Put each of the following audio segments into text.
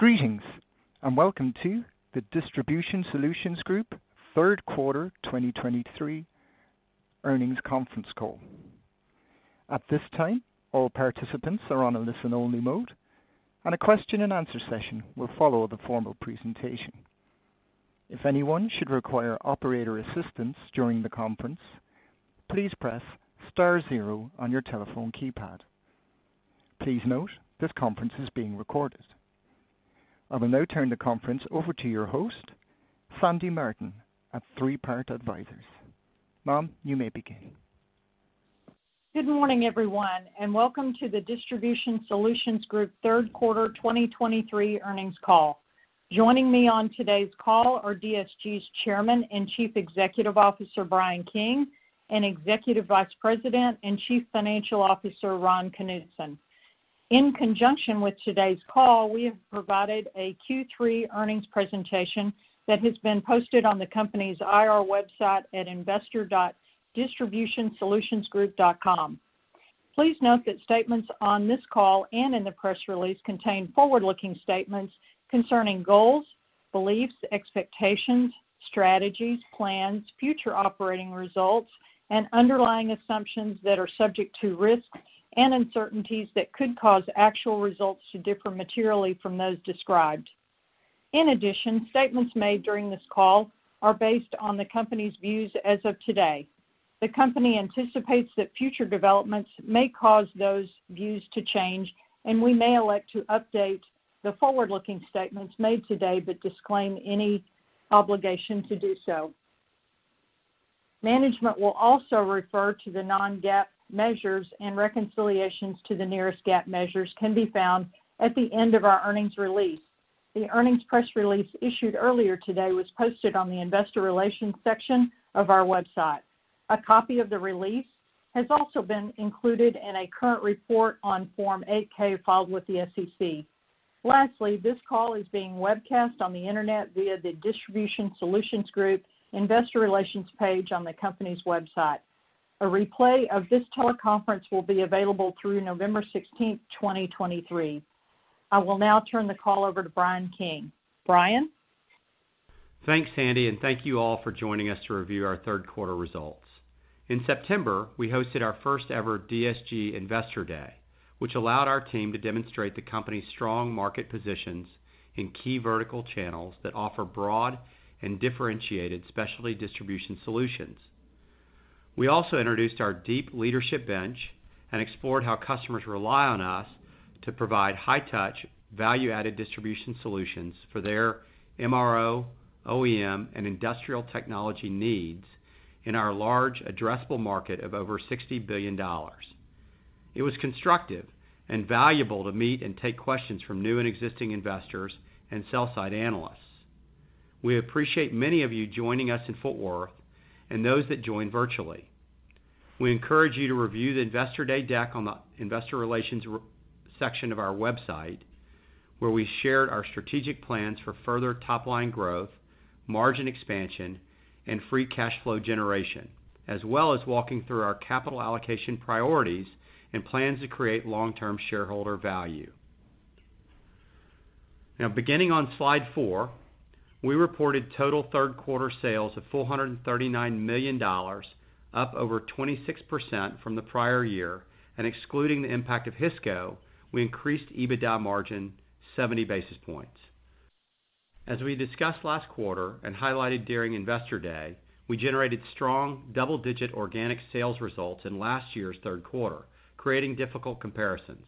Greetings, and welcome to the Distribution Solutions Group third quarter 2023 earnings conference call. At this time, all participants are on a listen-only mode, and a question-and-answer session will follow the formal presentation. If anyone should require operator assistance during the conference, please press star zero on your telephone keypad. Please note, this conference is being recorded. I will now turn the conference over to your host, Sandy Martin, at Three Part Advisors. Ma'am, you may begin. Good morning, everyone, and welcome to the Distribution Solutions Group third quarter 2023 earnings call. Joining me on today's call are DSG's Chairman and Chief Executive Officer, Bryan King, and Executive Vice President and Chief Financial Officer, Ron Knutson. In conjunction with today's call, we have provided a Q3 earnings presentation that has been posted on the company's IR website at investor.distributionsolutionsgroup.com. Please note that statements on this call and in the press release contain forward-looking statements concerning goals, beliefs, expectations, strategies, plans, future operating results, and underlying assumptions that are subject to risks and uncertainties that could cause actual results to differ materially from those described. In addition, statements made during this call are based on the company's views as of today. The company anticipates that future developments may cause those views to change, and we may elect to update the forward-looking statements made today, but disclaim any obligation to do so. Management will also refer to the non-GAAP measures, and reconciliations to the nearest GAAP measures can be found at the end of our earnings release. The earnings press release issued earlier today was posted on the investor relations section of our website. A copy of the release has also been included in a current report on Form 8-K filed with the SEC. Lastly, this call is being webcast on the Internet via the Distribution Solutions Group investor relations page on the company's website. A replay of this teleconference will be available through November 16, 2023. I will now turn the call over to Bryan King. Bryan? Thanks, Sandy, and thank you all for joining us to review our third quarter results. In September, we hosted our first ever DSG Investor Day, which allowed our team to demonstrate the company's strong market positions in key vertical channels that offer broad and differentiated specialty distribution solutions. We also introduced our deep leadership bench and explored how customers rely on us to provide high touch, value-added distribution solutions for their MRO, OEM, and industrial technology needs in our large addressable market of over $60 billion. It was constructive and valuable to meet and take questions from new and existing investors and sell-side analysts. We appreciate many of you joining us in Fort Worth and those that joined virtually. We encourage you to review the Investor Day deck on the investor relations section of our website, where we shared our strategic plans for further top-line growth, margin expansion, and free cash flow generation, as well as walking through our capital allocation priorities and plans to create long-term shareholder value. Now, beginning on slide four, we reported total third quarter sales of $439 million, up over 26% from the prior year. And excluding the impact of Hisco, we increased EBITDA margin 70 basis points. As we discussed last quarter and highlighted during Investor Day, we generated strong double-digit organic sales results in last year's third quarter, creating difficult comparisons.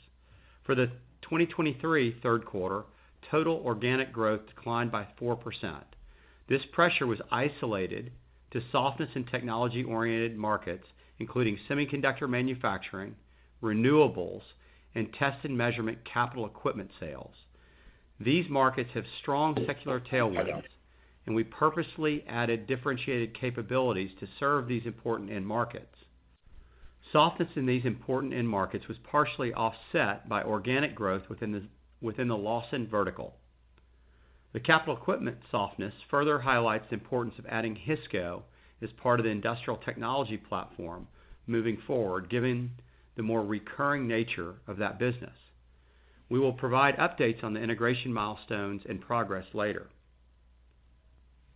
For the 2023 third quarter, total organic growth declined by 4%. This pressure was isolated to softness in technology-oriented markets, including semiconductor manufacturing, renewables, and test and measurement capital equipment sales. These markets have strong secular tailwinds, and we purposely added differentiated capabilities to serve these important end markets. Softness in these important end markets was partially offset by organic growth within the Lawson vertical. The capital equipment softness further highlights the importance of adding Hisco as part of the industrial technology platform moving forward, given the more recurring nature of that business. We will provide updates on the integration milestones and progress later.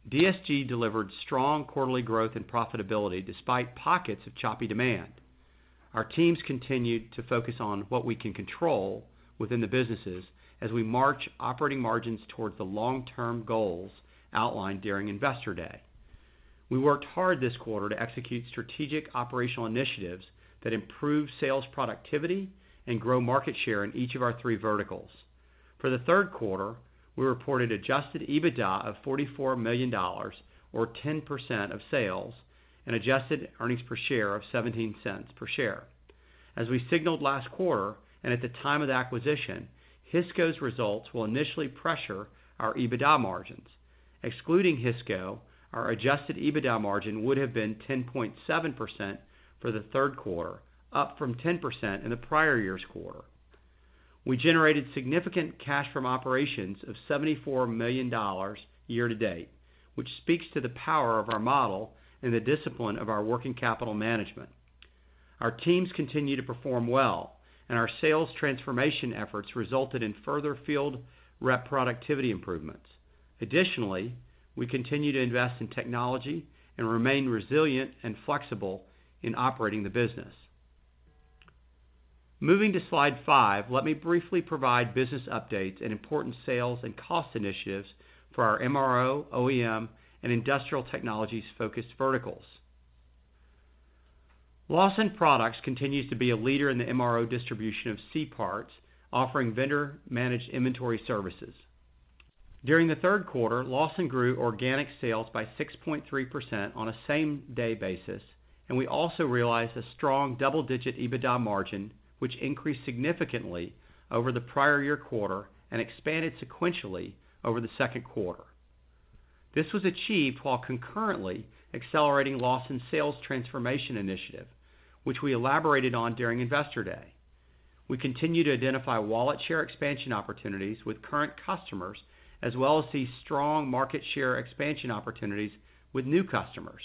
DSG delivered strong quarterly growth and profitability despite pockets of choppy demand. Our teams continued to focus on what we can control within the businesses as we march operating margins towards the long-term goals outlined during Investor Day. We worked hard this quarter to execute strategic operational initiatives that improve sales productivity and grow market share in each of our three verticals. For the third quarter, we reported Adjusted EBITDA of $44 million, or 10% of sales, and adjusted earnings per share of $0.17 per share. As we signaled last quarter, and at the time of the acquisition, Hisco's results will initially pressure our EBITDA margins. Excluding Hisco, our Adjusted EBITDA margin would have been 10.7% for the third quarter, up from 10% in the prior year's quarter. We generated significant cash from operations of $74 million year to date, which speaks to the power of our model and the discipline of our working capital management.... Our teams continue to perform well, and our sales transformation efforts resulted in further field rep productivity improvements. Additionally, we continue to invest in technology and remain resilient and flexible in operating the business. Moving to Slide five, let me briefly provide business updates and important sales and cost initiatives for our MRO, OEM, and industrial technologies-focused verticals. Lawson Products continues to be a leader in the MRO distribution of C-parts, offering vendor-managed inventory services. During the third quarter, Lawson grew organic sales by 6.3% on a same-day basis, and we also realized a strong double-digit EBITDA margin, which increased significantly over the prior year quarter and expanded sequentially over the second quarter. This was achieved while concurrently accelerating Lawson's sales transformation initiative, which we elaborated on during Investor Day. We continue to identify wallet share expansion opportunities with current customers, as well as see strong market share expansion opportunities with new customers.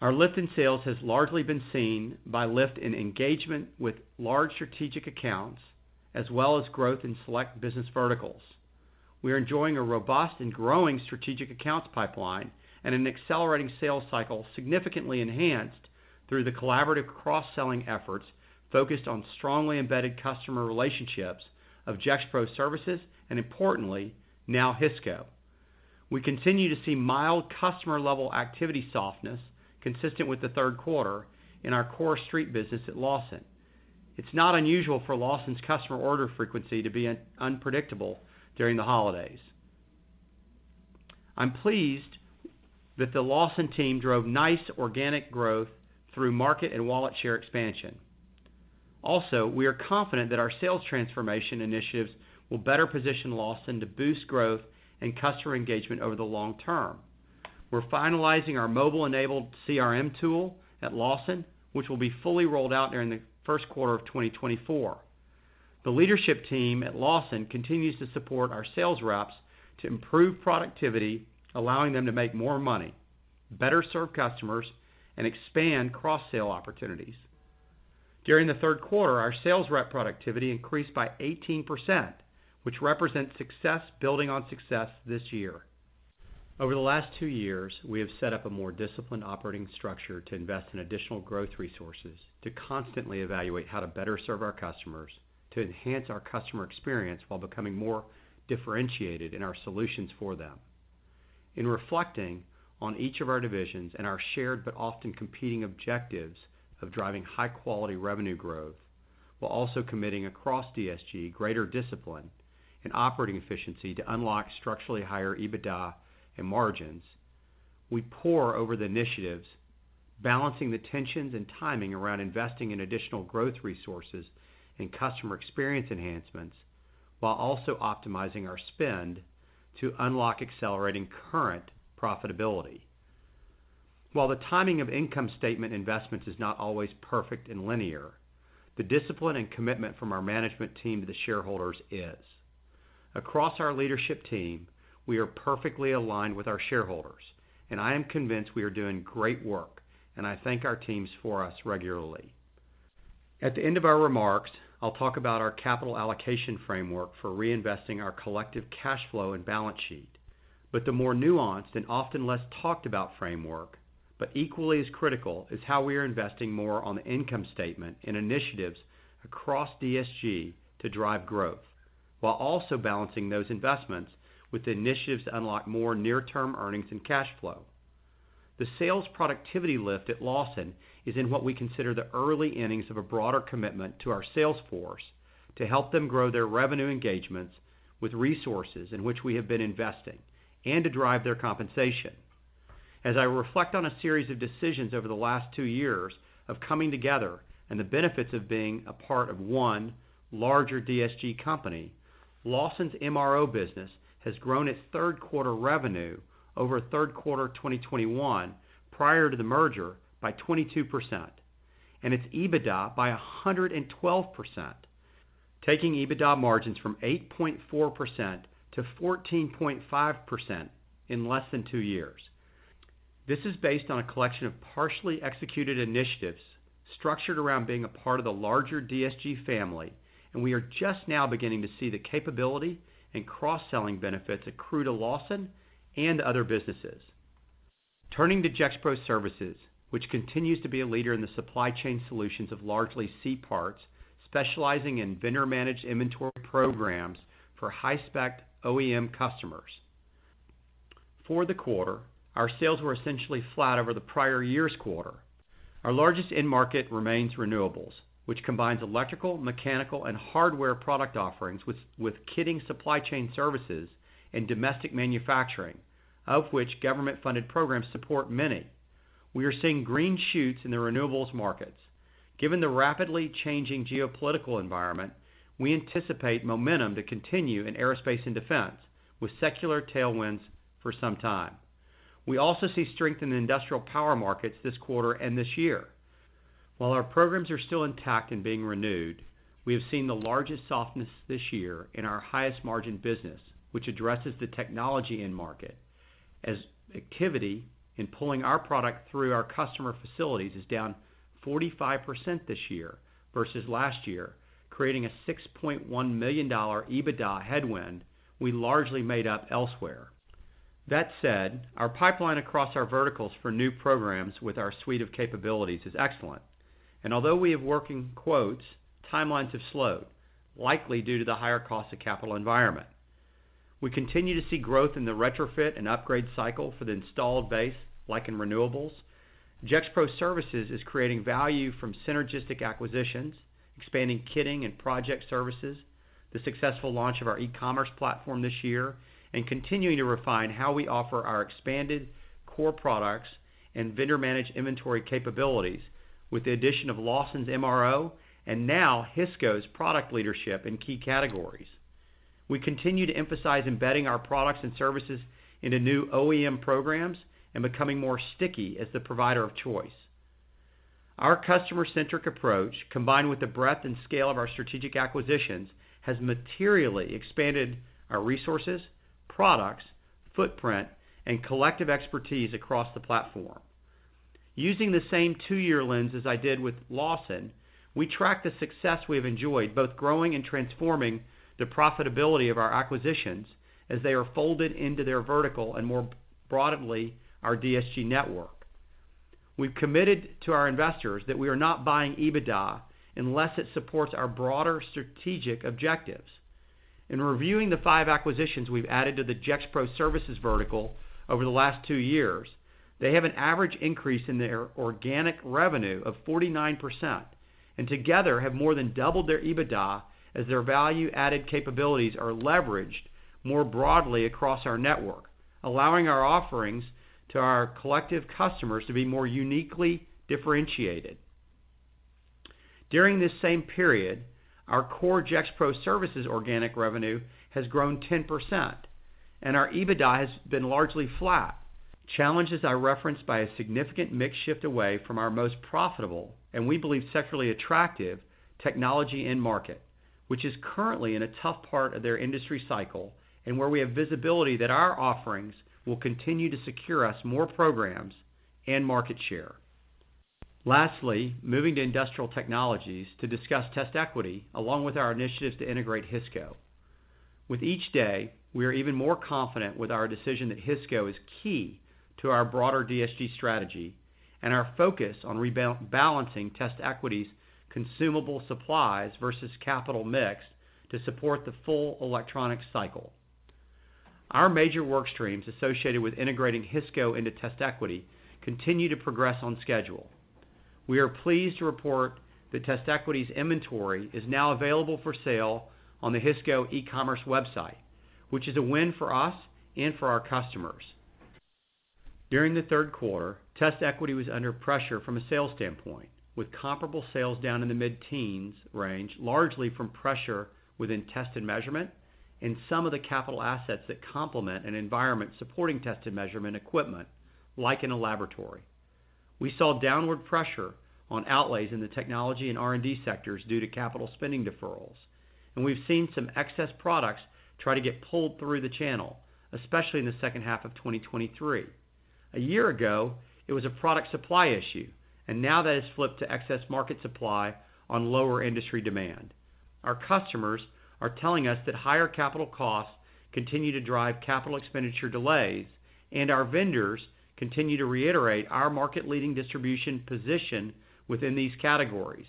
Our lift in sales has largely been seen by lift in engagement with large strategic accounts, as well as growth in select business verticals. We are enjoying a robust and growing strategic accounts pipeline and an accelerating sales cycle, significantly enhanced through the collaborative cross-selling efforts focused on strongly embedded customer relationships of Gexpro Services, and importantly, now, Hisco. We continue to see mild customer-level activity softness, consistent with the third quarter, in our core street business at Lawson. It's not unusual for Lawson's customer order frequency to be unpredictable during the holidays. I'm pleased that the Lawson team drove nice organic growth through market and wallet share expansion. Also, we are confident that our sales transformation initiatives will better position Lawson to boost growth and customer engagement over the long term. We're finalizing our mobile-enabled CRM tool at Lawson, which will be fully rolled out during the first quarter of 2024. The leadership team at Lawson continues to support our sales reps to improve productivity, allowing them to make more money, better serve customers, and expand cross-sale opportunities. During the third quarter, our sales rep productivity increased by 18%, which represents success building on success this year. Over the last two years, we have set up a more disciplined operating structure to invest in additional growth resources, to constantly evaluate how to better serve our customers, to enhance our customer experience while becoming more differentiated in our solutions for them. In reflecting on each of our divisions and our shared but often competing objectives of driving high-quality revenue growth, while also committing across DSG greater discipline and operating efficiency to unlock structurally higher EBITDA and margins, we pore over the initiatives, balancing the tensions and timing around investing in additional growth resources and customer experience enhancements, while also optimizing our spend to unlock accelerating current profitability. While the timing of income statement investments is not always perfect and linear, the discipline and commitment from our management team to the shareholders is. Across our leadership team, we are perfectly aligned with our shareholders, and I am convinced we are doing great work, and I thank our teams for us regularly. At the end of our remarks, I'll talk about our capital allocation framework for reinvesting our collective cash flow and balance sheet, but the more nuanced and often less talked about framework, but equally as critical, is how we are investing more on the income statement and initiatives across DSG to drive growth, while also balancing those investments with initiatives to unlock more near-term earnings and cash flow. The sales productivity lift at Lawson is in what we consider the early innings of a broader commitment to our sales force to help them grow their revenue engagements with resources in which we have been investing and to drive their compensation. As I reflect on a series of decisions over the last two years of coming together and the benefits of being a part of one larger DSG company, Lawson's MRO business has grown its third quarter revenue over third quarter 2021, prior to the merger, by 22%, and its EBITDA by 112%, taking EBITDA margins from 8.4% to 14.5% in less than two years. This is based on a collection of partially executed initiatives structured around being a part of the larger DSG family, and we are just now beginning to see the capability and cross-selling benefits accrue to Lawson and other businesses. Turning to Gexpro Services, which continues to be a leader in the supply chain solutions of largely C-parts, specializing in vendor-managed inventory programs for high-spec OEM customers. For the quarter, our sales were essentially flat over the prior year's quarter. Our largest end market remains renewables, which combines electrical, mechanical, and hardware product offerings with kitting supply chain services and domestic manufacturing, of which government-funded programs support many. We are seeing green shoots in the renewables markets. Given the rapidly changing geopolitical environment, we anticipate momentum to continue in aerospace and defense, with secular tailwinds for some time. We also see strength in the industrial power markets this quarter and this year. While our programs are still intact and being renewed, we have seen the largest softness this year in our highest margin business, which addresses the technology end market, as activity in pulling our product through our customer facilities is down 45% this year versus last year, creating a $6.1 million EBITDA headwind we largely made up elsewhere. That said, our pipeline across our verticals for new programs with our suite of capabilities is excellent, and although we have working quotes, timelines have slowed, likely due to the higher cost of capital environment. We continue to see growth in the retrofit and upgrade cycle for the installed base, like in renewables. Gexpro Services is creating value from synergistic acquisitions, expanding kitting and project services, the successful launch of our e-commerce platform this year, and continuing to refine how we offer our expanded core products and vendor-managed inventory capabilities with the addition of Lawson's MRO and now Hisco's product leadership in key categories. We continue to emphasize embedding our products and services into new OEM programs and becoming more sticky as the provider of choice. Our customer-centric approach, combined with the breadth and scale of our strategic acquisitions, has materially expanded our resources, products, footprint, and collective expertise across the platform. Using the same two-year lens as I did with Lawson, we track the success we've enjoyed, both growing and transforming the profitability of our acquisitions as they are folded into their vertical and, more broadly, our DSG network. We've committed to our investors that we are not buying EBITDA unless it supports our broader strategic objectives. In reviewing the five acquisitions we've added to the Gexpro Services vertical over the last two years, they have an average increase in their organic revenue of 49%, and together, have more than doubled their EBITDA as their value-added capabilities are leveraged more broadly across our network, allowing our offerings to our collective customers to be more uniquely differentiated. During this same period, our core Gexpro Services organic revenue has grown 10% and our EBITDA has been largely flat. Challenges are referenced by a significant mix shift away from our most profitable, and we believe, secularly attractive technology end market, which is currently in a tough part of their industry cycle, and where we have visibility that our offerings will continue to secure us more programs and market share. Lastly, moving to Industrial Technologies to discuss TestEquity, along with our initiatives to integrate Hisco. With each day, we are even more confident with our decision that Hisco is key to our broader DSG strategy and our focus on rebalancing TestEquity's consumable supplies versus capital mix to support the full electronic cycle. Our major work streams associated with integrating Hisco into TestEquity continue to progress on schedule. We are pleased to report that TestEquity's inventory is now available for sale on the Hisco e-commerce website, which is a win for us and for our customers. During the third quarter, TestEquity was under pressure from a sales standpoint, with comparable sales down in the mid-teens range, largely from pressure within test and measurement and some of the capital assets that complement an environment supporting test and measurement equipment, like in a laboratory. We saw downward pressure on outlays in the technology and R&D sectors due to capital spending deferrals, and we've seen some excess products try to get pulled through the channel, especially in the second half of 2023. A year-ago, it was a product supply issue, and now that has flipped to excess market supply on lower industry demand. Our customers are telling us that higher capital costs continue to drive capital expenditure delays, and our vendors continue to reiterate our market-leading distribution position within these categories.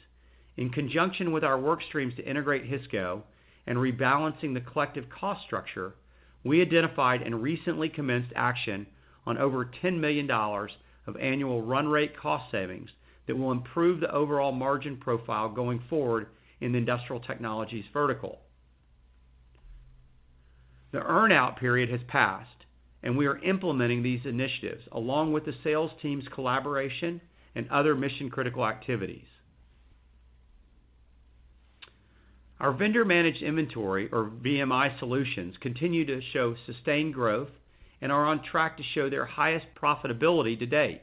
In conjunction with our work streams to integrate Hisco and rebalancing the collective cost structure, we identified and recently commenced action on over $10 million of annual run rate cost savings that will improve the overall margin profile going forward in the Industrial Technologies vertical. The earn-out period has passed, and we are implementing these initiatives, along with the sales team's collaboration and other mission-critical activities. Our vendor-managed inventory, or VMI solutions, continue to show sustained growth and are on track to show their highest profitability to date.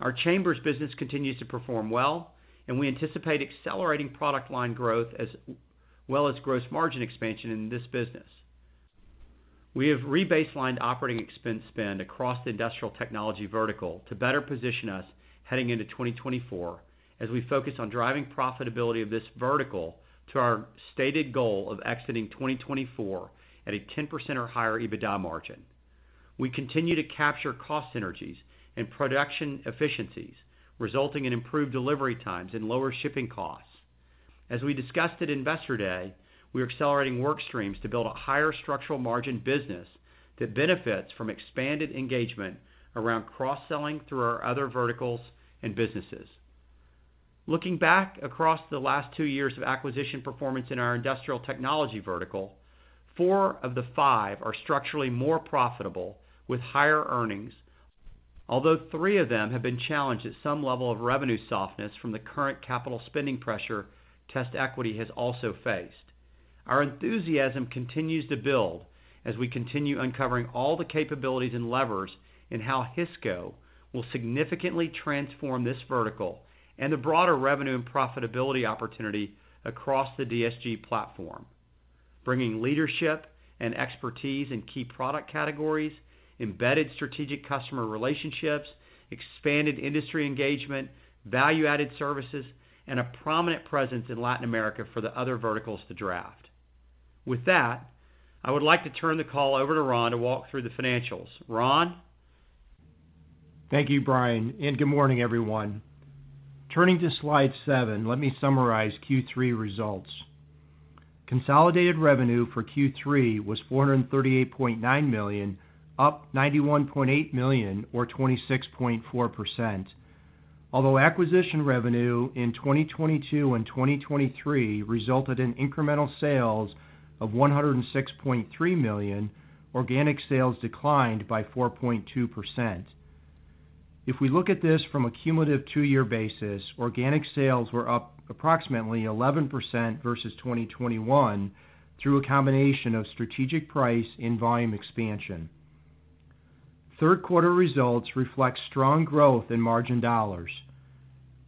Our chambers business continues to perform well, and we anticipate accelerating product line growth as well as gross margin expansion in this business. We have rebaselined operating expense spend across the Industrial Technology vertical to better position us heading into 2024, as we focus on driving profitability of this vertical to our stated goal of exiting 2024 at a 10% or higher EBITDA margin. We continue to capture cost synergies and production efficiencies, resulting in improved delivery times and lower shipping costs. As we discussed at Investor Day, we're accelerating work streams to build a higher structural margin business that benefits from expanded engagement around cross-selling through our other verticals and businesses. Looking back across the last two years of acquisition performance in our Industrial Technology vertical, four of the five are structurally more profitable, with higher earnings, although 3 of them have been challenged at some level of revenue softness from the current capital spending pressure TestEquity has also faced. Our enthusiasm continues to build as we continue uncovering all the capabilities and levers in how Hisco will significantly transform this vertical and the broader revenue and profitability opportunity across the DSG platform, bringing leadership and expertise in key product categories, embedded strategic customer relationships, expanded industry engagement, value-added services, and a prominent presence in Latin America for the other verticals to draft. With that, I would like to turn the call over to Ron to walk through the financials. Ron? Thank you, Bryan, and good morning, everyone. Turning to Slide seven, let me summarize Q3 results. Consolidated revenue for Q3 was $438.9 million, up $91.8 million, or 26.4%. Although acquisition revenue in 2022 and 2023 resulted in incremental sales of $106.3 million, organic sales declined by 4.2%. If we look at this from a cumulative two-year basis, organic sales were up approximately 11% versus 2021, through a combination of strategic price and volume expansion. Third quarter results reflect strong growth in margin dollars.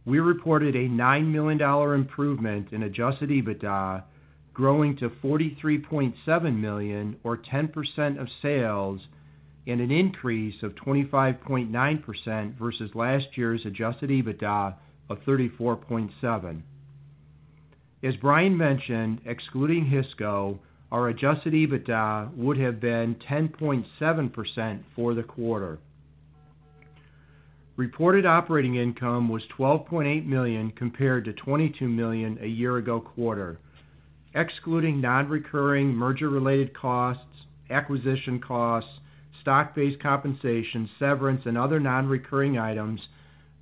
We reported a $9 million improvement in Adjusted EBITDA, growing to $43.7 million or 10% of sales, and an increase of 25.9% versus last year's Adjusted EBITDA of $34.7 million. As Bryan mentioned, excluding Hisco, our Adjusted EBITDA would have been 10.7% for the quarter. Reported operating income was $12.8 million compared to $22 million a year-ago quarter. Excluding non-recurring merger-related costs, acquisition costs, stock-based compensation, severance, and other non-recurring items,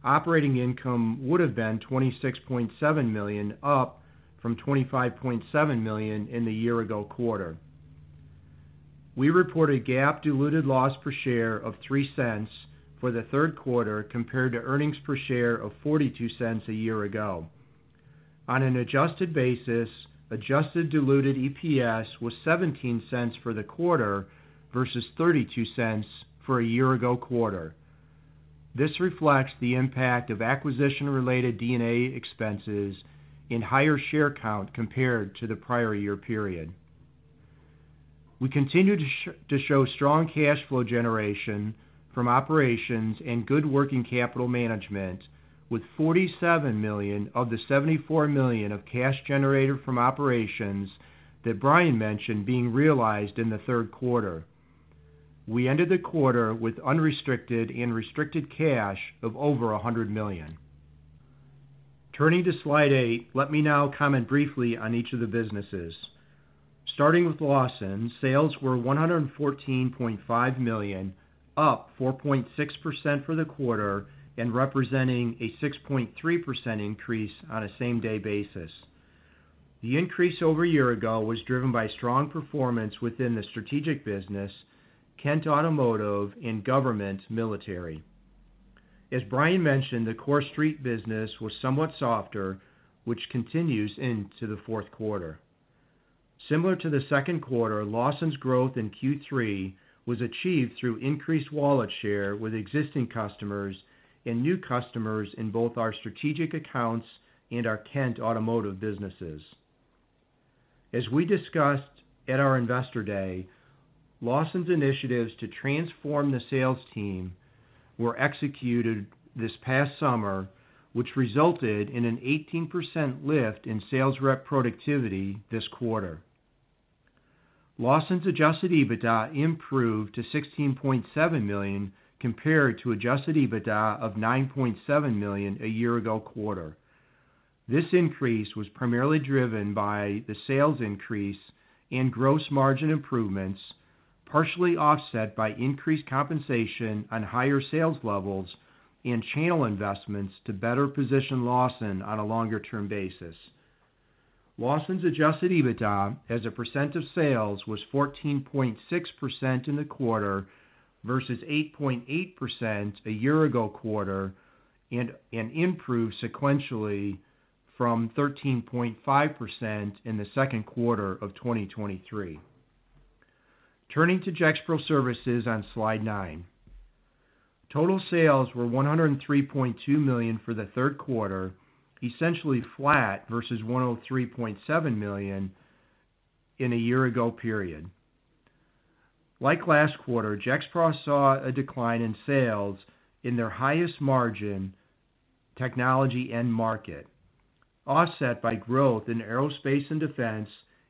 operating income would have been $26.7 million, up from $25.7 million in the year-ago quarter. We reported GAAP diluted loss per share of $0.03 for the third quarter, compared to earnings per share of $0.42 a year-ago. On an adjusted basis, adjusted diluted EPS was $0.17 for the quarter versus $0.32 for a year-ago quarter. This reflects the impact of acquisition-related D&A expenses and higher share count compared to the prior year period. We continue to show strong cash flow generation from operations and good working capital management, with $47 million of the $74 million of cash generated from operations that Bryan mentioned being realized in the third quarter. We ended the quarter with unrestricted and restricted cash of over $100 million. Turning to Slide eight, let me now comment briefly on each of the businesses. Starting with Lawson, sales were $114.5 million, up 4.6% for the quarter and representing a 6.3% increase on a same-day basis. The increase over a year-ago was driven by strong performance within the strategic business, Kent Automotive and Government Military. As Bryan mentioned, the core street business was somewhat softer, which continues into the fourth quarter. Similar to the second quarter, Lawson's growth in Q3 was achieved through increased wallet share with existing customers and new customers in both our strategic accounts and our Kent Automotive businesses. As we discussed at our Investor Day, Lawson's initiatives to transform the sales team were executed this past summer, which resulted in an 18% lift in sales rep productivity this quarter. Lawson's Adjusted EBITDA improved to $16.7 million, compared to Adjusted EBITDA of $9.7 million a year-ago quarter. This increase was primarily driven by the sales increase and gross margin improvements, partially offset by increased compensation on higher sales levels and channel investments to better position Lawson on a longer-term basis. Lawson's Adjusted EBITDA, as a percent of sales, was 14.6% in the quarter versus 8.8% a year-ago quarter and improved sequentially from 13.5% in the second quarter of 2023. Turning to Gexpro Services on slide nine. Total sales were $103.2 million for the third quarter, essentially flat versus $103.7 million in a year-ago period. Like last quarter, Gexpro saw a decline in sales in their highest margin technology end market, offset by growth in aerospace and defense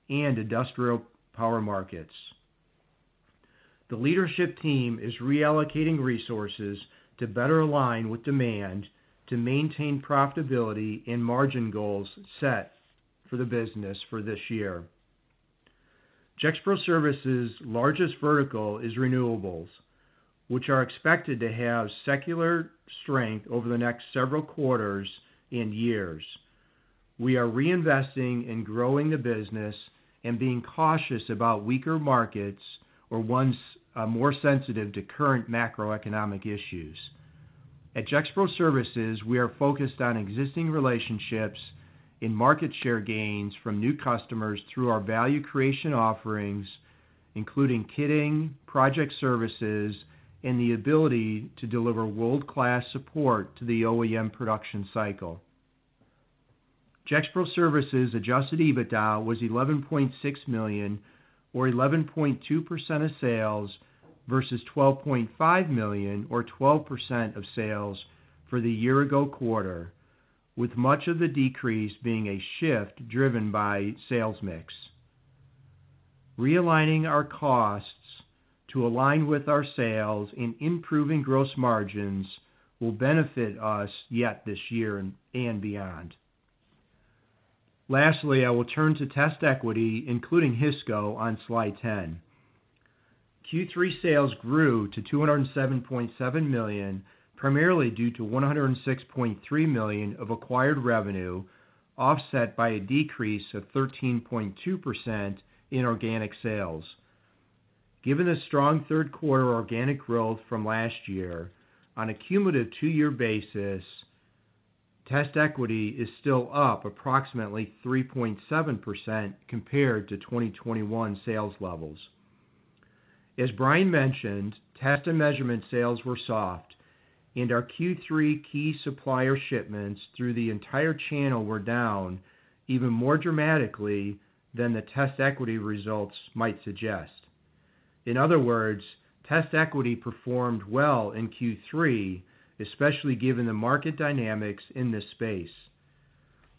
and industrial power markets. The leadership team is reallocating resources to better align with demand to maintain profitability and margin goals set for the business for this year. Gexpro Services' largest vertical is renewables, which are expected to have secular strength over the next several quarters and years. We are reinvesting in growing the business and being cautious about weaker markets or ones, more sensitive to current macroeconomic issues.... At Gexpro Services, we are focused on existing relationships in market share gains from new customers through our value creation offerings, including kitting, project services, and the ability to deliver world-class support to the OEM production cycle. Gexpro Services Adjusted EBITDA was $11.6 million, or 11.2% of sales, versus $12.5 million, or 12% of sales for the year-ago quarter, with much of the decrease being a shift driven by sales mix. Realigning our costs to align with our sales and improving gross margins will benefit us yet this year and, and beyond. Lastly, I will turn to TestEquity, including Hisco, on slide ten. Q3 sales grew to $207.7 million, primarily due to $106.3 million of acquired revenue, offset by a decrease of 13.2% in organic sales. Given the strong third quarter organic growth from last year, on a cumulative two-year basis, TestEquity is still up approximately 3.7% compared to 2021 sales levels. As Bryan mentioned, test and measurement sales were soft, and our Q3 key supplier shipments through the entire channel were down even more dramatically than the TestEquity results might suggest. In other words, TestEquity performed well in Q3, especially given the market dynamics in this space.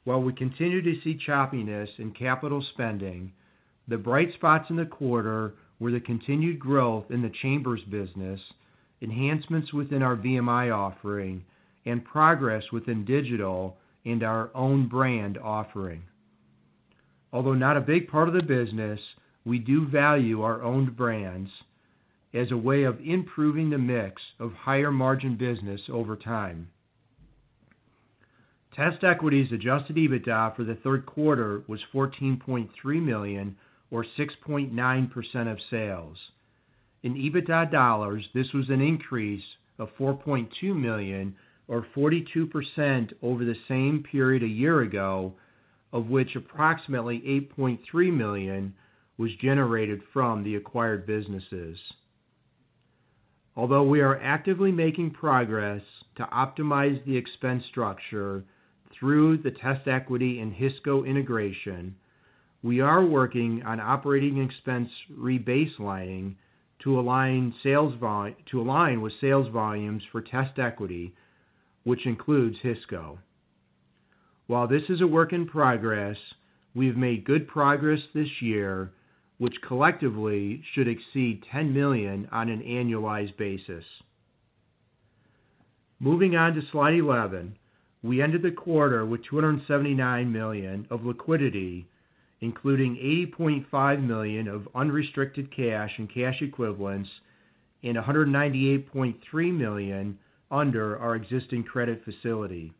While we continue to see choppiness in capital spending, the bright spots in the quarter were the continued growth in the chambers business, enhancements within our VMI offering, and progress within digital and our own brand offering. Although not a big part of the business, we do value our own brands as a way of improving the mix of higher-margin business over time. TestEquity's Adjusted EBITDA for the third quarter was $14.3 million, or 6.9% of sales. In EBITDA dollars, this was an increase of $4.2 million, or 42% over the same period a year-ago, of which approximately $8.3 million was generated from the acquired businesses. Although we are actively making progress to optimize the expense structure through the TestEquity and Hisco integration, we are working on operating expense rebaselining to align with sales volumes for TestEquity, which includes Hisco. While this is a work in progress, we've made good progress this year, which collectively should exceed $10 million on an annualized basis. Moving on to slide 11. We ended the quarter with $279 million of liquidity, including $80.5 million of unrestricted cash and cash equivalents, and $198.3 million under our existing credit facility.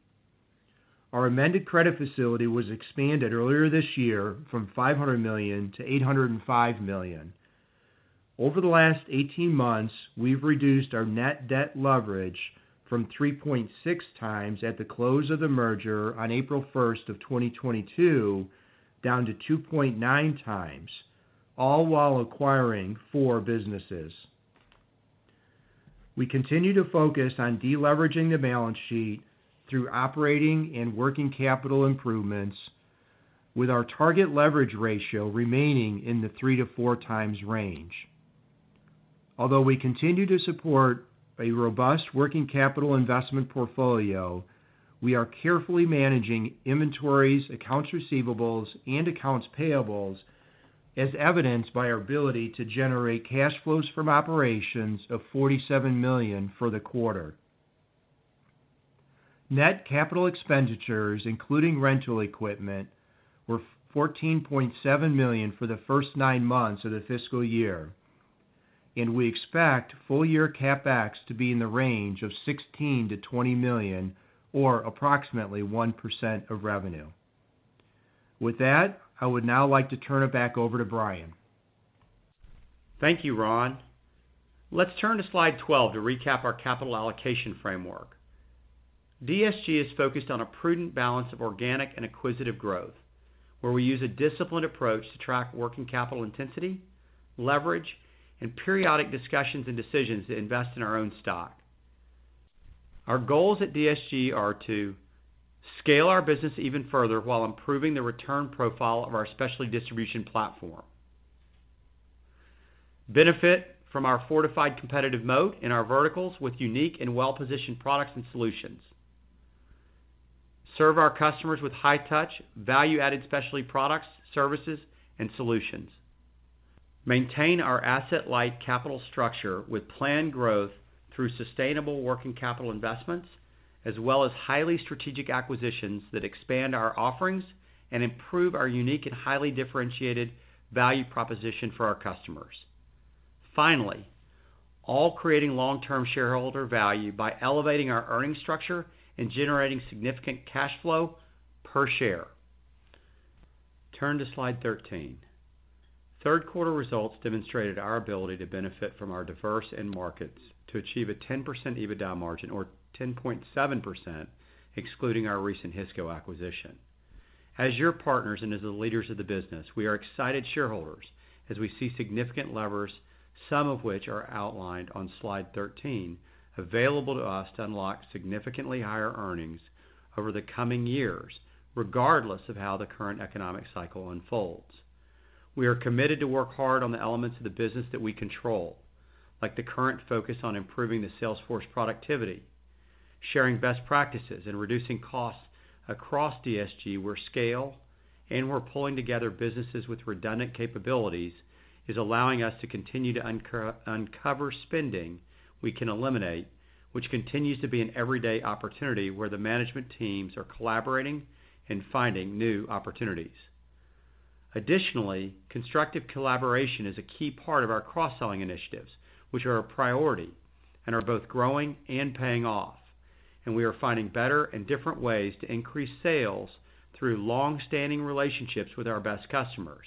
Our amended credit facility was expanded earlier this year from $500 million to $805 million. Over the last 18 months, we've reduced our net debt leverage from 3.6 times at the close of the merger on April 1, 2022, down to 2.9x, all while acquiring four businesses. We continue to focus on deleveraging the balance sheet through operating and working capital improvements, with our target leverage ratio remaining in the 3x-4x range. Although we continue to support a robust working capital investment portfolio, we are carefully managing inventories, accounts receivables, and accounts payables, as evidenced by our ability to generate cash flows from operations of $47 million for the quarter. Net capital expenditures, including rental equipment, were $14.7 million for the first nine months of the fiscal year, and we expect full year CapEx to be in the range of $16 million-$20 million or approximately 1% of revenue. With that, I would now like to turn it back over to Bryan. Thank you, Ron. Let's turn to slide 12 to recap our capital allocation framework. DSG is focused on a prudent balance of organic and acquisitive growth, where we use a disciplined approach to track working capital intensity, leverage, and periodic discussions and decisions to invest in our own stock. Our goals at DSG are to scale our business even further while improving the return profile of our specialty distribution platform. Benefit from our fortified competitive moat in our verticals with unique and well-positioned products and solutions. Serve our customers with high-touch, value-added specialty products, services, and solutions. Maintain our asset light capital structure with planned growth through sustainable working capital investments, as well as highly strategic acquisitions that expand our offerings and improve our unique and highly differentiated value proposition for our customers. Finally, all creating long-term shareholder value by elevating our earnings structure and generating significant cash flow per share. Turn to slide 13. Third quarter results demonstrated our ability to benefit from our diverse end markets to achieve a 10% EBITDA margin, or 10.7%, excluding our recent Hisco acquisition. As your partners and as the leaders of the business, we are excited shareholders as we see significant levers, some of which are outlined on slide 13, available to us to unlock significantly higher earnings over the coming years, regardless of how the current economic cycle unfolds. We are committed to work hard on the elements of the business that we control, like the current focus on improving the sales force productivity, sharing best practices, and reducing costs across DSG, where scale and we're pulling together businesses with redundant capabilities, is allowing us to continue to uncover spending we can eliminate, which continues to be an everyday opportunity, where the management teams are collaborating and finding new opportunities. Additionally, constructive collaboration is a key part of our cross-selling initiatives, which are a priority and are both growing and paying off. We are finding better and different ways to increase sales through long-standing relationships with our best customers.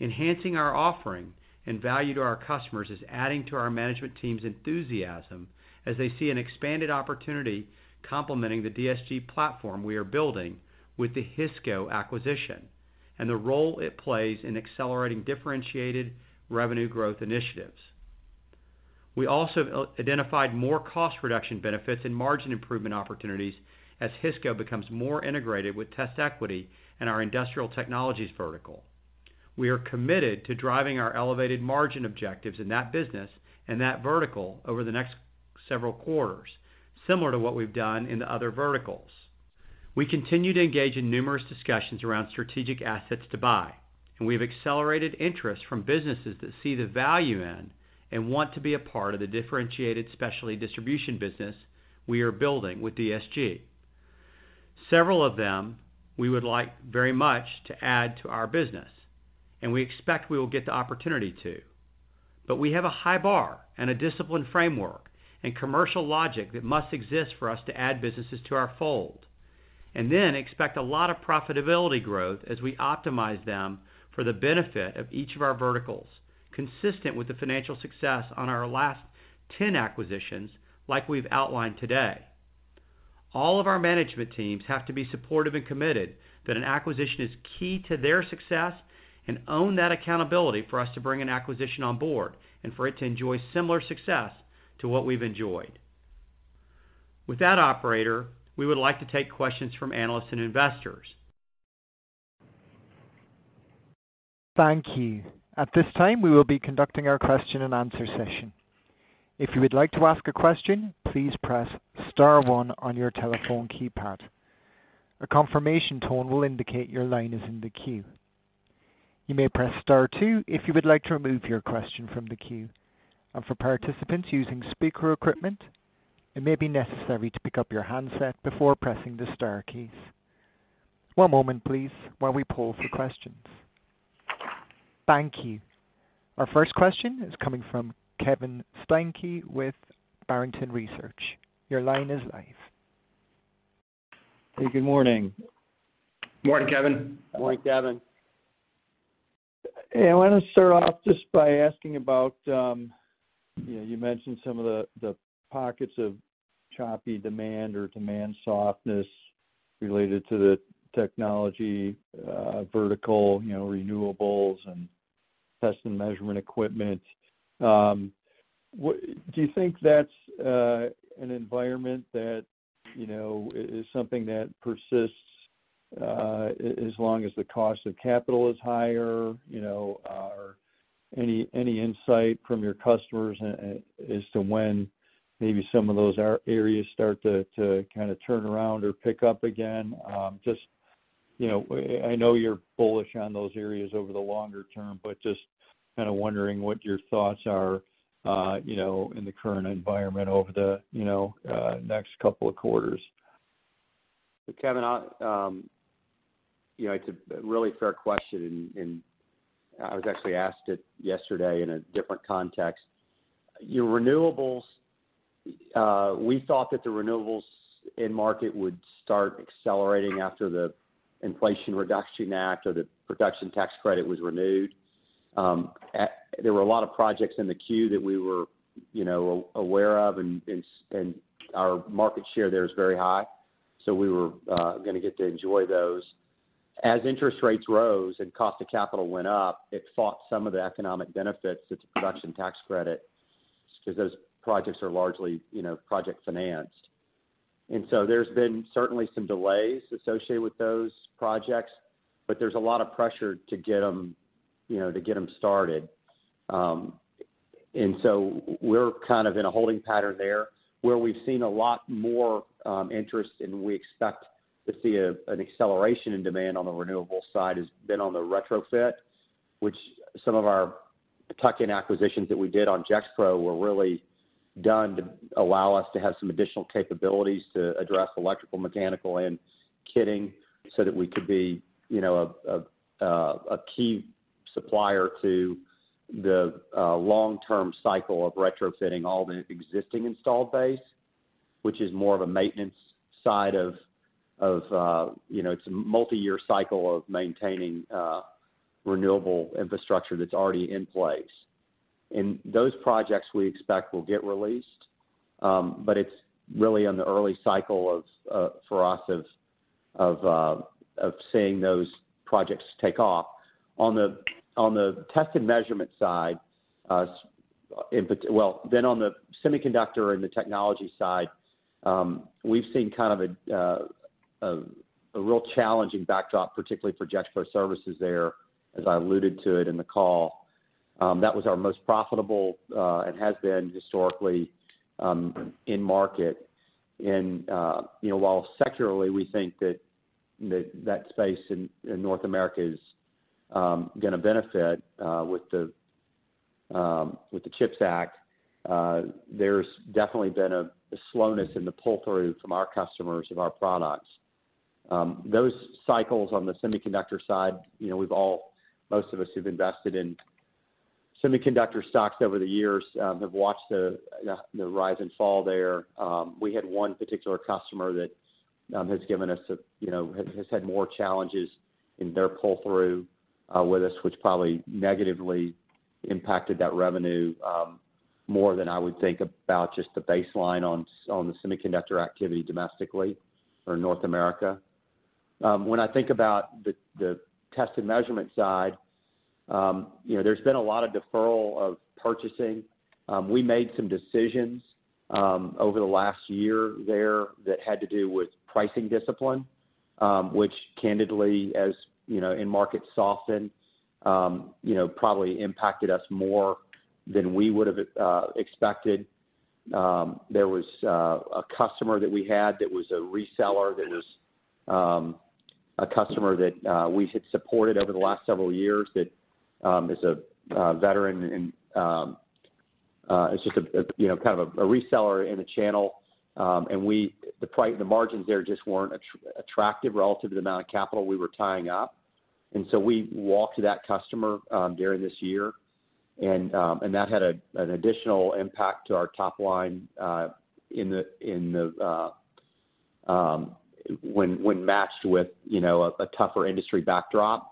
Enhancing our offering and value to our customers is adding to our management team's enthusiasm as they see an expanded opportunity complementing the DSG platform we are building with the Hisco acquisition, and the role it plays in accelerating differentiated revenue growth initiatives. We also identified more cost reduction benefits and margin improvement opportunities as Hisco becomes more integrated with TestEquity and our industrial technologies vertical. We are committed to driving our elevated margin objectives in that business and that vertical over the next several quarters, similar to what we've done in the other verticals. We continue to engage in numerous discussions around strategic assets to buy, and we have accelerated interest from businesses that see the value in, and want to be a part of the differentiated specialty distribution business we are building with DSG. Several of them, we would like very much to add to our business, and we expect we will get the opportunity to. But we have a high bar and a disciplined framework and commercial logic that must exist for us to add businesses to our fold, and then expect a lot of profitability growth as we optimize them for the benefit of each of our verticals, consistent with the financial success on our last 10 acquisitions like we've outlined today. All of our management teams have to be supportive and committed that an acquisition is key to their success, and own that accountability for us to bring an acquisition on board and for it to enjoy similar success to what we've enjoyed. With that, operator, we would like to take questions from analysts and investors. Thank you. At this time, we will be conducting our question-and-answer session. If you would like to ask a question, please press star one on your telephone keypad. A confirmation tone will indicate your line is in the queue. You may press star two if you would like to remove your question from the queue. For participants using speaker equipment, it may be necessary to pick up your handset before pressing the star keys. One moment, please, while we pull for questions. Thank you. Our first question is coming from Kevin Steinke with Barrington Research. Your line is live. Hey, good morning. Morning, Kevin. Morning, Kevin. Hey, I want to start off just by asking about, you know, you mentioned some of the, the pockets of choppy demand or demand softness related to the technology vertical, you know, renewables and test and measurement equipment. What do you think that's an environment that, you know, is something that persists as long as the cost of capital is higher? You know, any insight from your customers as to when maybe some of those areas start to turn around or pick up again? Just, you know, I know you're bullish on those areas over the longer term, but just kind of wondering what your thoughts are, you know, in the current environment over the next couple of quarters. Kevin, I, you know, it's a really fair question, and I was actually asked it yesterday in a different context. Your renewables, we thought that the renewables end market would start accelerating after the Inflation Reduction Act or the Production Tax Credit was renewed. There were a lot of projects in the queue that we were, you know, aware of, and our market share there is very high, so we were gonna get to enjoy those. As interest rates rose and cost of capital went up, it fought some of the economic benefits to the Production Tax Credit, because those projects are largely, you know, project financed. And so there's been certainly some delays associated with those projects, but there's a lot of pressure to get them, you know, to get them started. And so we're kind of in a holding pattern there, where we've seen a lot more interest, and we expect to see an acceleration in demand on the renewable side, has been on the retrofit. Which some of our tuck-in acquisitions that we did on Gexpro were really done to allow us to have some additional capabilities to address electrical, mechanical, and kitting, so that we could be, you know, a key supplier to the long-term cycle of retrofitting all the existing installed base. which is more of a maintenance side of, you know, it's a multiyear cycle of maintaining renewable infrastructure that's already in place. And those projects we expect will get released, but it's really in the early cycle of, for us, seeing those projects take off. On the test and measurement side, well, then on the semiconductor and the technology side, we've seen kind of a real challenging backdrop, particularly for Gexpro Services there, as I alluded to it in the call. That was our most profitable, and has been historically, in market. You know, while secularly, we think that space in North America is gonna benefit with the CHIPS Act, there's definitely been a slowness in the pull-through from our customers of our products. Those cycles on the semiconductor side, you know, we've all, most of us who've invested in semiconductor stocks over the years, have watched the rise and fall there. We had one particular customer that has given us, you know, has had more challenges in their pull-through with us, which probably negatively impacted that revenue more than I would think about just the baseline on the semiconductor activity domestically or North America. When I think about the test and measurement side, you know, there's been a lot of deferral of purchasing. We made some decisions over the last year there that had to do with pricing discipline, which candidly, as you know, end markets soften, you know, probably impacted us more than we would've expected. There was a customer that we had that was a reseller, that is, a customer that we had supported over the last several years, that is a veteran and is just a, you know, kind of a reseller in the channel. And the margins there just weren't attractive relative to the amount of capital we were tying up. And so we walked to that customer during this year, and that had an additional impact to our top line when matched with, you know, a tougher industry backdrop.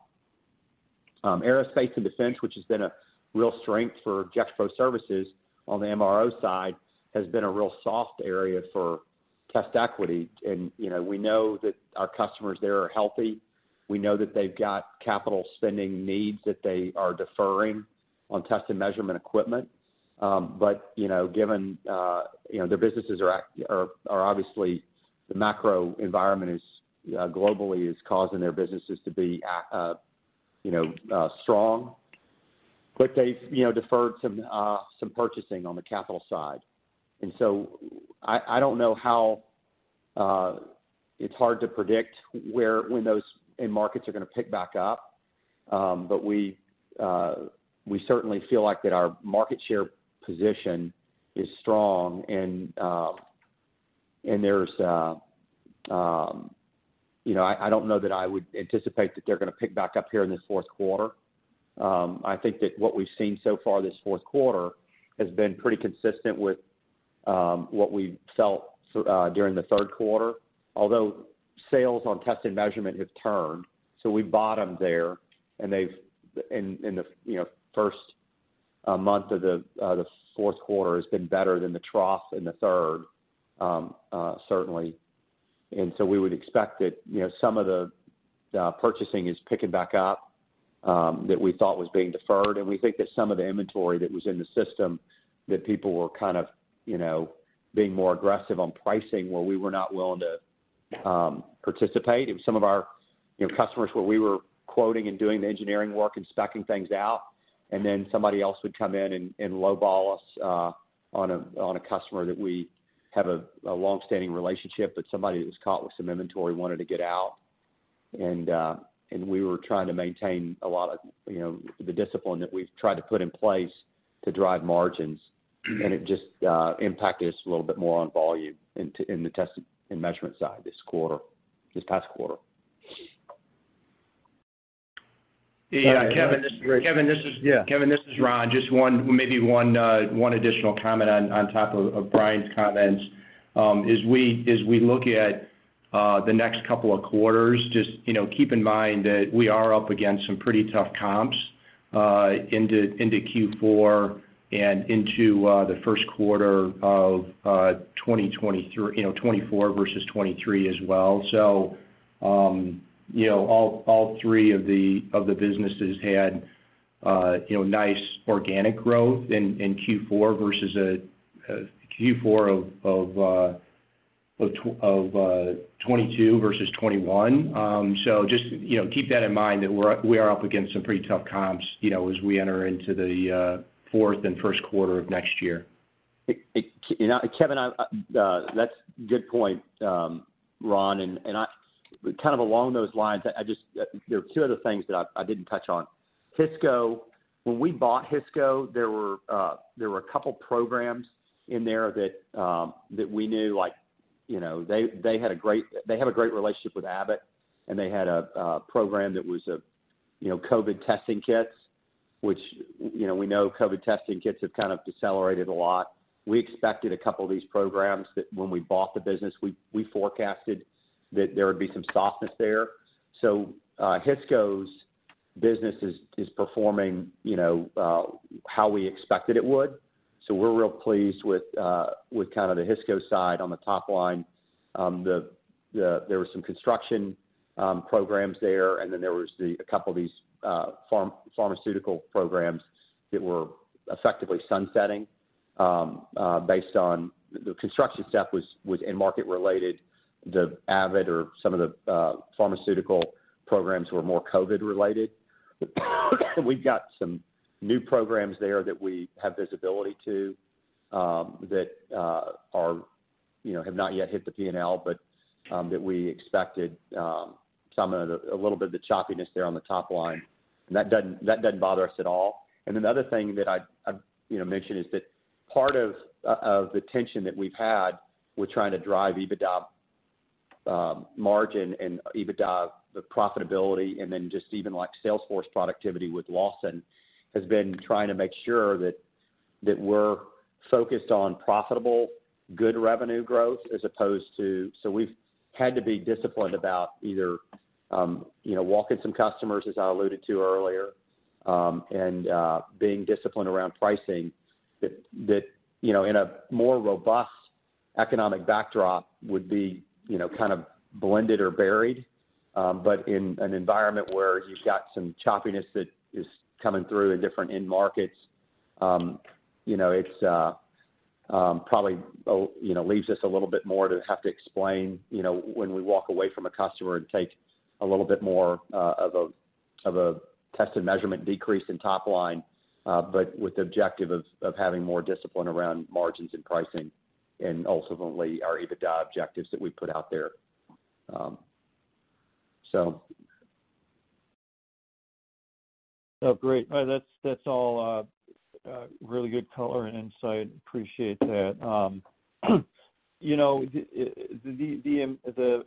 Aerospace and defense, which has been a real strength for Gexpro Services on the MRO side, has been a real soft area for TestEquity. And, you know, we know that our customers there are healthy. We know that they've got capital spending needs that they are deferring on test and measurement equipment. But, you know, given, you know, their businesses are obviously the macro environment is globally causing their businesses to be strong. But they've, you know, deferred some purchasing on the capital side. So I don't know how it's hard to predict where, when those end markets are gonna pick back up. But we certainly feel like that our market share position is strong and, and there's... You know, I don't know that I would anticipate that they're gonna pick back up here in this fourth quarter. I think that what we've seen so far this fourth quarter has been pretty consistent with what we felt during the third quarter, although sales on test and measurement have turned, so we've bottomed there, and they've, and, and the, you know, first month of the the fourth quarter has been better than the trough in the third, certainly. And so we would expect that, you know, some of the purchasing is picking back up, that we thought was being deferred. And we think that some of the inventory that was in the system, that people were kind of, you know, being more aggressive on pricing, where we were not willing to participate. And some of our, you know, customers, where we were quoting and doing the engineering work and speccing things out, and then somebody else would come in and lowball us, on a customer that we have a long-standing relationship, but somebody that was caught with some inventory, wanted to get out. And we were trying to maintain a lot of, you know, the discipline that we've tried to put in place to drive margins. It just impacted us a little bit more on volume in the test and measurement side this quarter, this past quarter. Yeah, Kevin, this- Great. Kevin, this is- Yeah. Kevin, this is Ron. Just one additional comment on top of Bryan's comments. As we look at the next couple of quarters, just keep in mind that we are up against some pretty tough comps into Q4 and into the first quarter of 2023, you know, 2024 versus 2023 as well. So, you know, all three of the businesses had, you know, nice organic growth in Q4 versus a Q4 of 2022 versus 2021. So just keep that in mind, that we're up, we are up against some pretty tough comps, you know, as we enter into the fourth and first quarter of next year. You know, Kevin, I... That's a good point, Ron, and kind of along those lines, I just, there are two other things that I didn't touch on. Hisco, when we bought Hisco, there were a couple programs in there that we knew, like, you know, they had a great—they have a great relationship with Abbott, and they had a program that was, you know, COVID testing kits... which, you know, we know COVID testing kits have kind of decelerated a lot. We expected a couple of these programs that when we bought the business, we forecasted that there would be some softness there. So, Hisco's business is performing, you know, how we expected it would. So we're real pleased with kind of the Hisco side on the top line. There were some construction programs there, and then there was a couple of these pharmaceutical programs that were effectively sunsetting. Based on the construction stuff was end market related, the Abbott or some of the pharmaceutical programs were more COVID related. We've got some new programs there that we have visibility to, that are, you know, have not yet hit the P&L, but that we expected some of a little bit of the choppiness there on the top line. And that doesn't bother us at all. Another thing that I'd you know mentioned is that part of of the tension that we've had with trying to drive EBITDA margin and EBITDA, the profitability, and then just even like sales force productivity with Lawson, has been trying to make sure that that we're focused on profitable, good revenue growth, as opposed to... So we've had to be disciplined about either you know walking some customers, as I alluded to earlier, and being disciplined around pricing that that you know in a more robust economic backdrop would be you know kind of blended or buried. But in an environment where you've got some choppiness that is coming through in different end markets, you know, it's probably, you know, leaves us a little bit more to have to explain, you know, when we walk away from a customer and take a little bit more of a test and measurement decrease in top line, but with the objective of having more discipline around margins and pricing, and ultimately, our EBITDA objectives that we put out there. So. Oh, great. Well, that's, that's all really good color and insight. Appreciate that. You know, the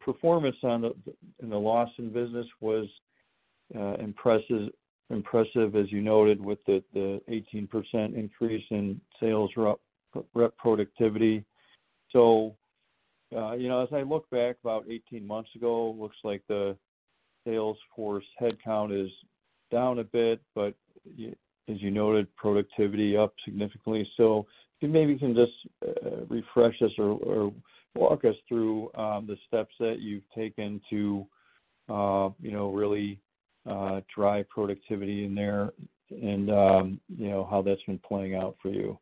performance in the Lawson business was impressive, impressive, as you noted, with the 18% increase in sales rep productivity. So, you know, as I look back about 18 months ago, looks like the sales force headcount is down a bit, but as you noted, productivity up significantly. So if maybe you can just refresh us or walk us through the steps that you've taken to you know, really drive productivity in there and you know, how that's been playing out for you.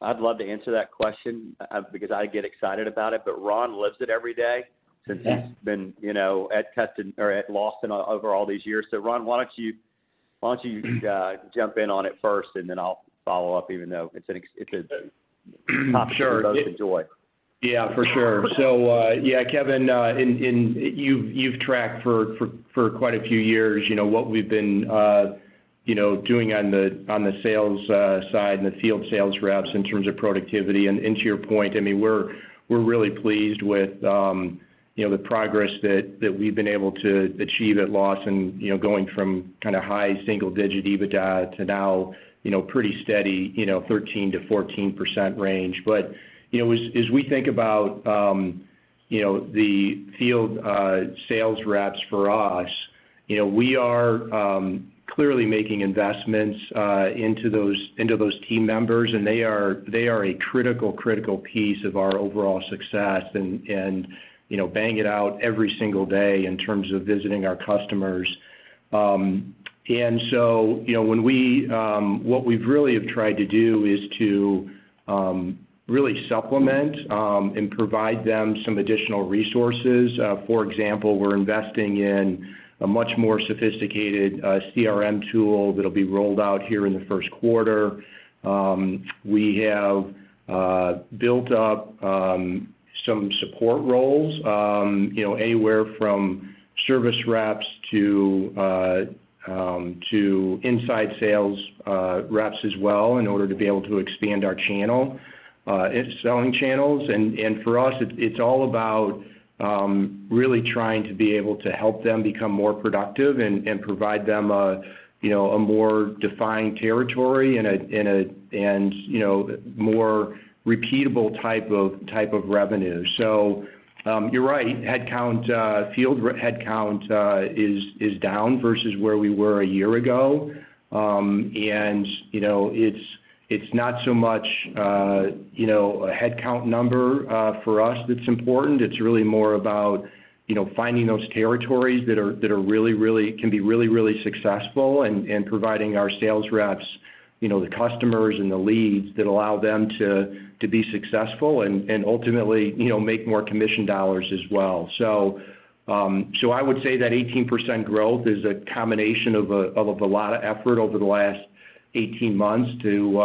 I'd love to answer that question, because I get excited about it, but Ron lives it every day. Since he's been, you know, at Custom or at Lawson over all these years. So Ron, why don't you, why don't you jump in on it first, and then I'll follow up, even though it's an ex- it's a - Sure. Topic you both enjoy. Yeah, for sure. So, yeah, Kevin, and you've tracked for quite a few years, you know, what we've been, you know, doing on the sales side and the field sales reps in terms of productivity. And to your point, I mean, we're really pleased with, you know, the progress that we've been able to achieve at Lawson, you know, going from kind of high single-digit EBITDA to now, you know, pretty steady, you know, 13%-14% range. But, you know, as we think about, you know, the field sales reps for us, you know, we are clearly making investments into those team members, and they are a critical piece of our overall success and, you know, bang it out every single day in terms of visiting our customers. And so, you know, what we've really have tried to do is to really supplement and provide them some additional resources. For example, we're investing in a much more sophisticated CRM tool that'll be rolled out here in the first quarter. We have built up some support roles, you know, anywhere from service reps to inside sales reps as well, in order to be able to expand our channel, its selling channels. And for us, it's all about really trying to be able to help them become more productive and provide them a, you know, a more defined territory and a more repeatable type of revenue. So, you're right, field headcount is down versus where we were a year-ago. And, you know, it's not so much a headcount number for us that's important. It's really more about, you know, finding those territories that are really, really can be really, really successful and providing our sales reps, you know, the customers and the leads that allow them to be successful and ultimately, you know, make more commission dollars as well. So, I would say that 18% growth is a combination of a lot of effort over the last 18 months to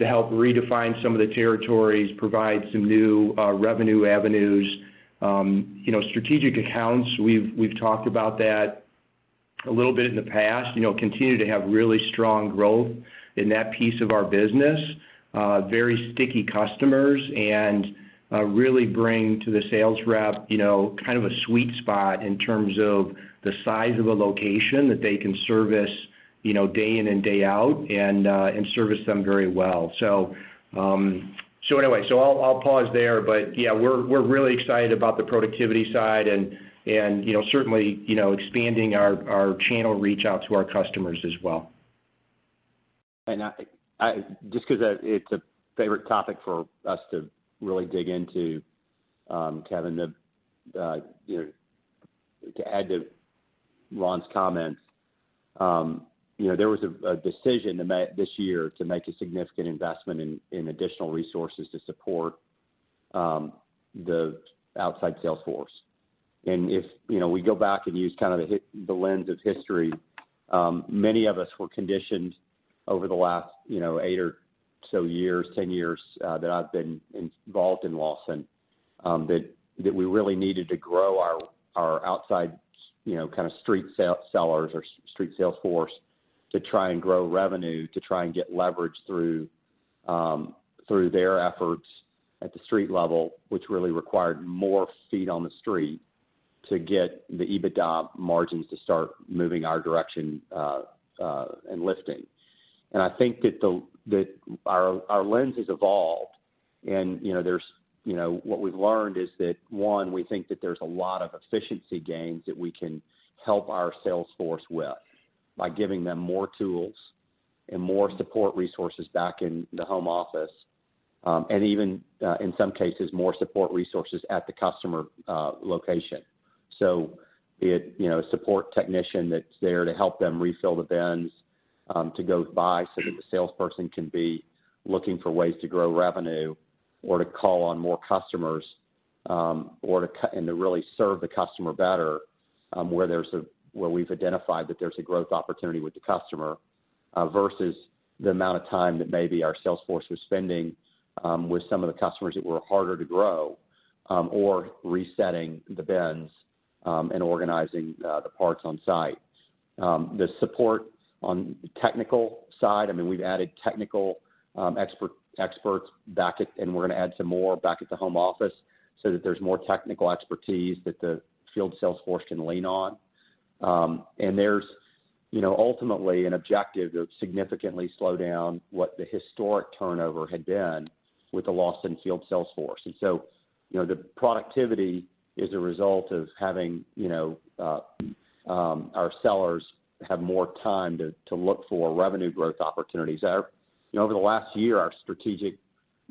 help redefine some of the territories, provide some new revenue avenues. You know, strategic accounts, we've talked about that a little bit in the past, you know, continue to have really strong growth in that piece of our business. Very sticky customers, and really bring to the sales rep, you know, kind of a sweet spot in terms of the size of a location that they can service... you know, day in and day out, and and service them very well. So, so I'll, I'll pause there. But yeah, we're, we're really excited about the productivity side and, and, you know, certainly, you know, expanding our, our channel reach out to our customers as well. I just because it's a favorite topic for us to really dig into, Kevin, the, you know, to add to Ron's comments, you know, there was a decision to make this year to make a significant investment in additional resources to support the outside sales force. And if, you know, we go back and use kind of the lens of history, many of us were conditioned over the last, you know, eight or so years, 10 years, that I've been involved in Lawson, that we really needed to grow our, our outside, you know, kind of street sellers or street sales force, to try and grow revenue, to try and get leverage through their efforts at the street level, which really required more feet on the street to get the EBITDA margins to start moving our direction, and lifting. And I think that our lens has evolved, and, you know, there's, you know... What we've learned is that, one, we think that there's a lot of efficiency gains that we can help our sales force with, by giving them more tools and more support resources back in the home office, and even, in some cases, more support resources at the customer location. So be it, you know, a support technician that's there to help them refill the bins, to go by, so that the salesperson can be looking for ways to grow revenue or to call on more customers, or and to really serve the customer better, where we've identified that there's a growth opportunity with the customer, versus the amount of time that maybe our sales force was spending with some of the customers that were harder to grow, or resetting the bins, and organizing the parts on site. The support on the technical side, I mean, we've added technical experts back at, and we're gonna add some more back at the home office, so that there's more technical expertise that the field sales force can lean on. There's, you know, ultimately an objective to significantly slow down what the historic turnover had been with the Lawson field sales force. And so, you know, the productivity is a result of having, you know, our sellers have more time to look for revenue growth opportunities. You know, over the last year, our strategic,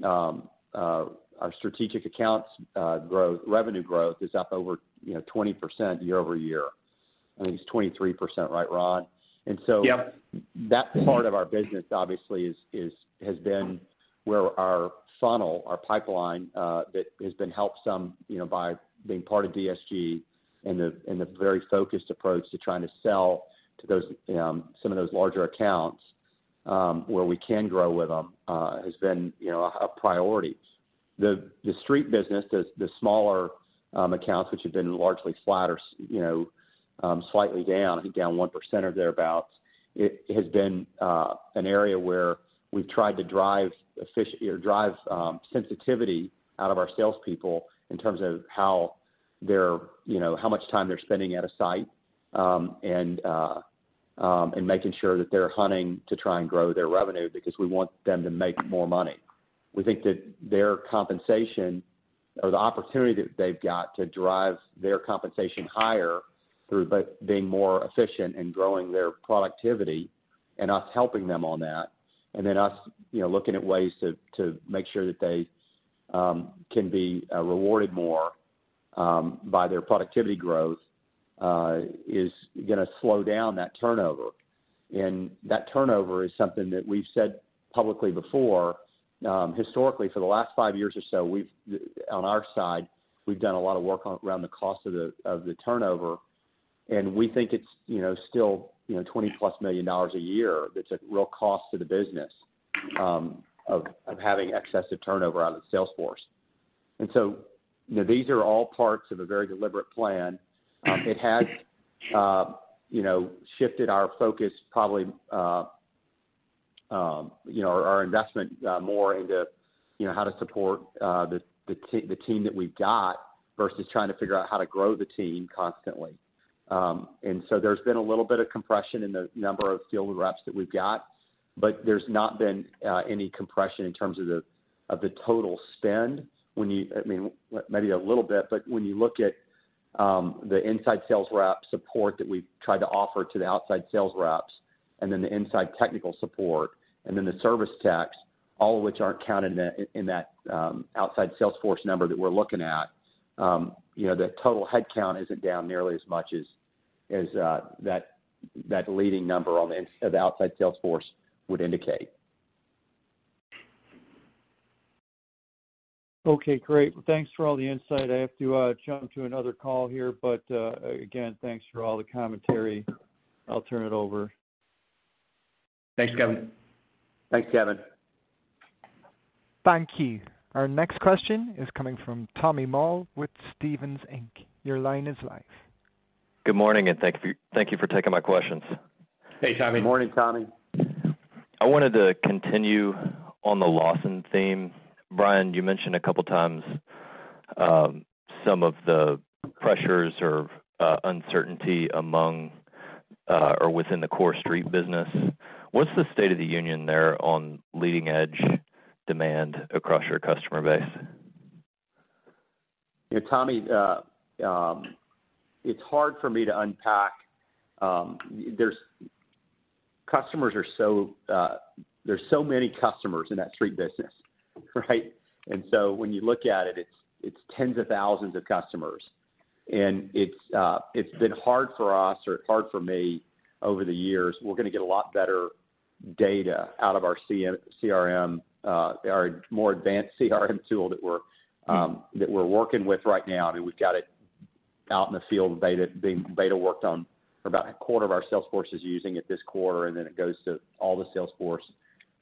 our strategic accounts, growth, revenue growth is up over, you know, 20% year-over-year. I think it's 23%, right, Ron? Yep. And so that part of our business obviously is has been where our funnel our pipeline that has been helped some, you know, by being part of DSG and the and the very focused approach to trying to sell to those some of those larger accounts where we can grow with them has been, you know, a priority. The street business the smaller accounts which have been largely flat or slightly down, I think down 1% or thereabout, it has been an area where we've tried to drive sensitivity out of our salespeople in terms of how they're, you know, how much time they're spending at a site and making sure that they're hunting to try and grow their revenue, because we want them to make more money. We think that their compensation or the opportunity that they've got to drive their compensation higher through being more efficient and growing their productivity, and us helping them on that, and then us, you know, looking at ways to make sure that they can be rewarded more by their productivity growth is gonna slow down that turnover. That turnover is something that we've said publicly before. Historically, for the last five years or so, we've, on our side, we've done a lot of work on around the cost of the turnover, and we think it's, you know, still, you know, $20+ million a year. That's a real cost to the business of having excessive turnover on the sales force. You know, these are all parts of a very deliberate plan. It has, you know, shifted our focus probably, you know, our investment more into, you know, how to support the team that we've got, versus trying to figure out how to grow the team constantly. And so there's been a little bit of compression in the number of field reps that we've got, but there's not been any compression in terms of the total spend. When you... I mean, maybe a little bit, but when you look at the inside sales rep support that we've tried to offer to the outside sales reps, and then the inside technical support, and then the service techs, all of which aren't counted in that, in that outside sales force number that we're looking at, you know, the total headcount isn't down nearly as much as, as that, that leading number on the in, of the outside sales force would indicate. Okay, great. Thanks for all the insight. I have to jump to another call here, but again, thanks for all the commentary. I'll turn it over. Thanks, Kevin. Thanks, Kevin. Thank you. Our next question is coming from Tommy Moll with Stephens Inc. Your line is live. Good morning, and thank you for, thank you for taking my questions. Hey, Tommy. Good morning, Tommy. I wanted to continue on the Lawson theme. Bryan, you mentioned a couple of times, some of the pressures or uncertainty among or within the core street business. What's the state of the union there on leading edge demand across your customer base? Yeah, Tommy, it's hard for me to unpack. Customers are so, there's so many customers in that street business, right? And so when you look at it, it's, it's tens of thousands of customers, and it's, it's been hard for us or hard for me over the years. We're gonna get a lot better data out of our CRM, our more advanced CRM tool that we're, that we're working with right now. I mean, we've got it out in the field, beta worked on for about a quarter of our sales force is using it this quarter, and then it goes to all the sales force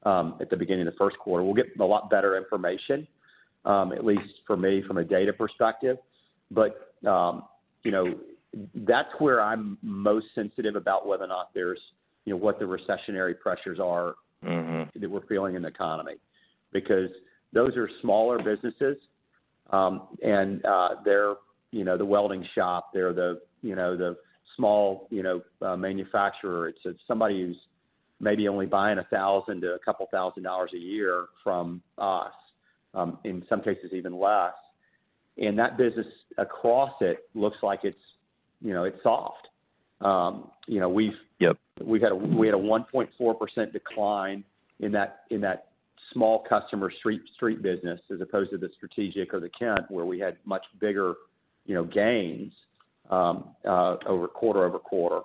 at the beginning of the first quarter. We'll get a lot better information, at least for me, from a data perspective. But, you know, that's where I'm most sensitive about whether or not there's, you know, what the recessionary pressures are- Mm-hmm... that we're feeling in the economy. Because those are smaller businesses, and they're, you know, the welding shop, they're the, you know, the small, you know, manufacturer. It's somebody who's maybe only buying $1,000 to a couple of thousand dollars a year from us, in some cases, even less. And that business across it looks like it's, you know, it's soft. You know, we've- Yep. We had a 1.4% decline in that small customer street business, as opposed to the strategic account, where we had much bigger, you know, gains over quarter-over-quarter.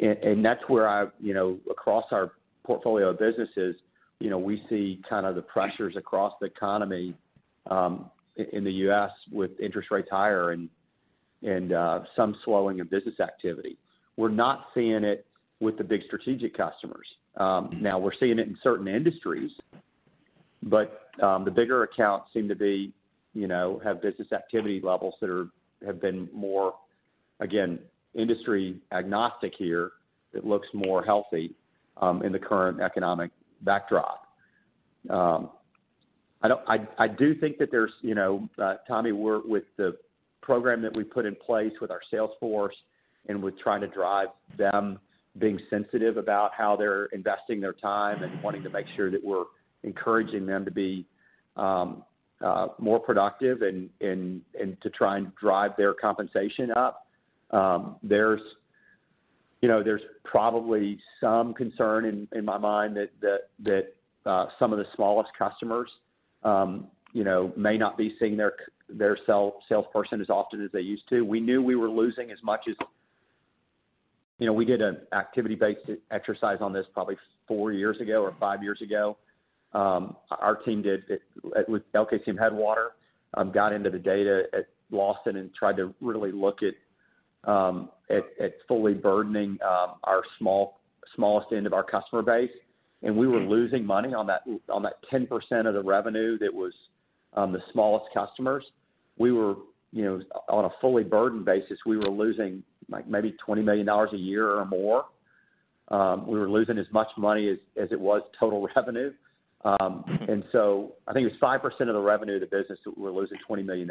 And that's where I, you know, across our portfolio of businesses, you know, we see kind of the pressures across the economy in the U.S. with interest rates higher and some slowing of business activity. We're not seeing it with the big strategic customers. Now, we're seeing it in certain industries, but the bigger accounts seem to be, you know, have business activity levels that are have been more, again, industry agnostic here, that looks more healthy in the current economic backdrop. I don't... I do think that there's, you know, Tommy, we're with the program that we put in place with our sales force and with trying to drive them, being sensitive about how they're investing their time and wanting to make sure that we're encouraging them to be more productive and to try and drive their compensation up. There's, you know, there's probably some concern in my mind that some of the smallest customers, you know, may not be seeing their salesperson as often as they used to. We knew we were losing as much as... You know, we did an activity-based exercise on this probably four years ago or five years ago. Our team did it with LKCM Headwater, got into the data at Lawson and tried to really look at fully burdened, our smallest end of our customer base. We were losing money on that, on that 10% of the revenue that was the smallest customers. We were, you know, on a fully burdened basis, we were losing, like, maybe $20 million a year or more. We were losing as much money as it was total revenue. I think it was 5% of the revenue of the business that we're losing $20 million.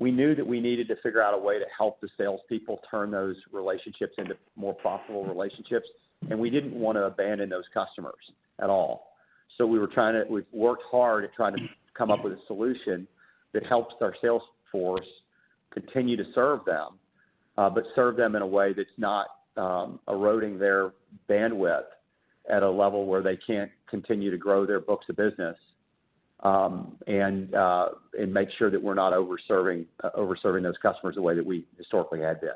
We knew that we needed to figure out a way to help the salespeople turn those relationships into more profitable relationships, and we didn't want to abandon those customers at all. So we've worked hard at trying to come up with a solution that helps our sales force continue to serve them, but serve them in a way that's not eroding their bandwidth at a level where they can't continue to grow their books of business, and make sure that we're not over-serving, over-serving those customers the way that we historically had been.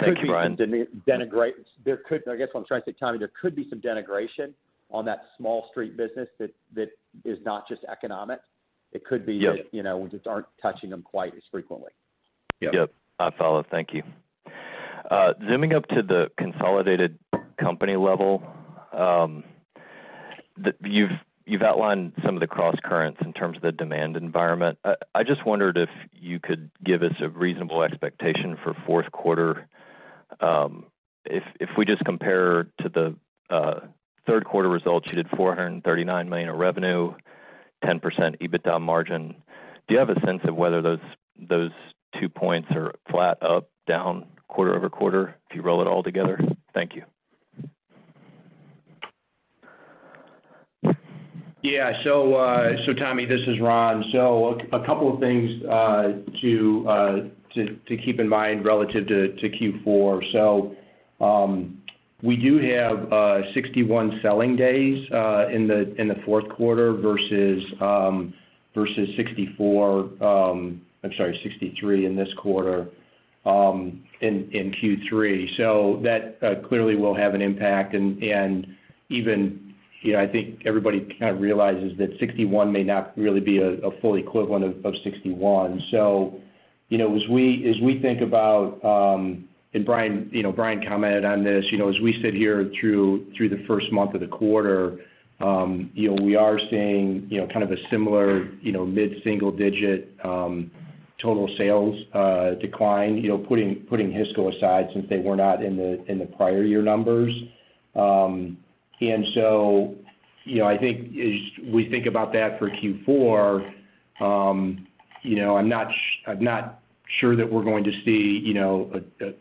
Thank you, Bryan. So there could be some degradation. There could, I guess, what I'm trying to say, Tommy, there could be some degradation on that Main Street business that, that is not just economic. Yep. It could be that, you know, we just aren't touching them quite as frequently. Yep. I follow. Thank you. Zooming up to the consolidated company level, you've, you've outlined some of the crosscurrents in terms of the demand environment. I just wondered if you could give us a reasonable expectation for fourth quarter. If, if we just compare to the, third quarter results, you did $439 million in revenue, 10% EBITDA margin. Do you have a sense of whether those, those two points are flat, up, down, quarter-over-quarter, if you roll it all together? Thank you. Yeah. So, so Tommy, this is Ron. So a couple of things to keep in mind relative to Q4. So, we do have 61 selling days in the fourth quarter versus 64, I'm sorry, 63 in this quarter, in Q3. So that clearly will have an impact. And even, you know, I think everybody kind of realizes that 61 may not really be a full equivalent of 61. So, you know, as we think about, and Bryan, you know, Bryan commented on this, you know, as we sit here through the first month of the quarter, you know, we are seeing, you know, kind of a similar, you know, mid-single digit... total sales declined, you know, putting Hisco aside since they were not in the prior year numbers. And so, you know, I think as we think about that for Q4, you know, I'm not sure that we're going to see, you know,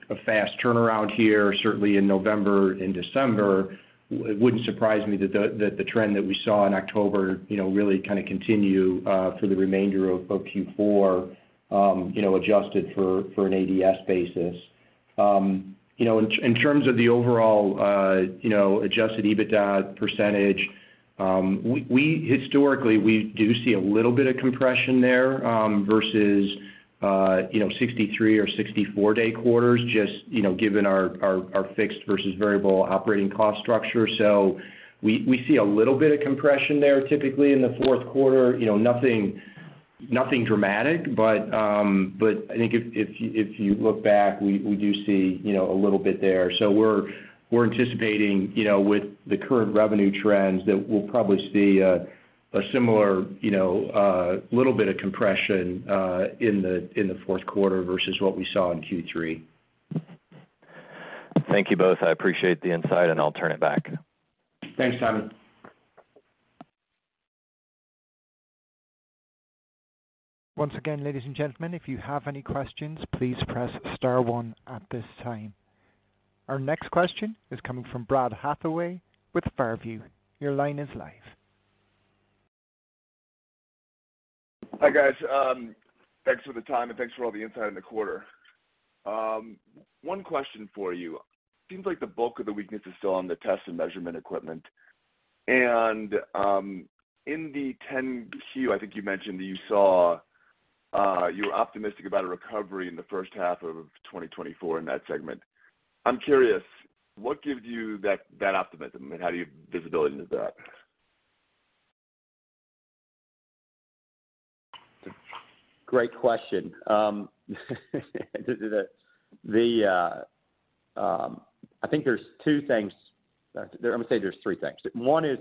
a fast turnaround here, certainly in November and December. It wouldn't surprise me that the trend that we saw in October, you know, really kind of continue through the remainder of Q4, you know, adjusted for an ADS basis. You know, in terms of the overall, you know, Adjusted EBITDA percentage, we historically do see a little bit of compression there versus, you know, 63-day or 64-day quarters, just, you know, given our fixed versus variable operating cost structure. So we see a little bit of compression there typically in the fourth quarter, you know, nothing, nothing dramatic. But I think if you look back, we do see, you know, a little bit there. So we're anticipating, you know, with the current revenue trends, that we'll probably see a similar, you know, little bit of compression in the fourth quarter versus what we saw in Q3. Thank you both. I appreciate the insight, and I'll turn it back. Thanks, Tommy. Once again, ladies and gentlemen, if you have any questions, please press star one at this time. Our next question is coming from Brad Hathaway with Far View. Your line is live. Hi, guys. Thanks for the time, and thanks for all the insight in the quarter. One question for you. Seems like the bulk of the weakness is still on the test and measurement equipment. In the 10-Q, I think you mentioned that you saw you were optimistic about a recovery in the first half of 2024 in that segment. I'm curious, what gives you that, that optimism, and how do you... visibility into that? Great question. I think there's two things. I'm gonna say there's three things. One is,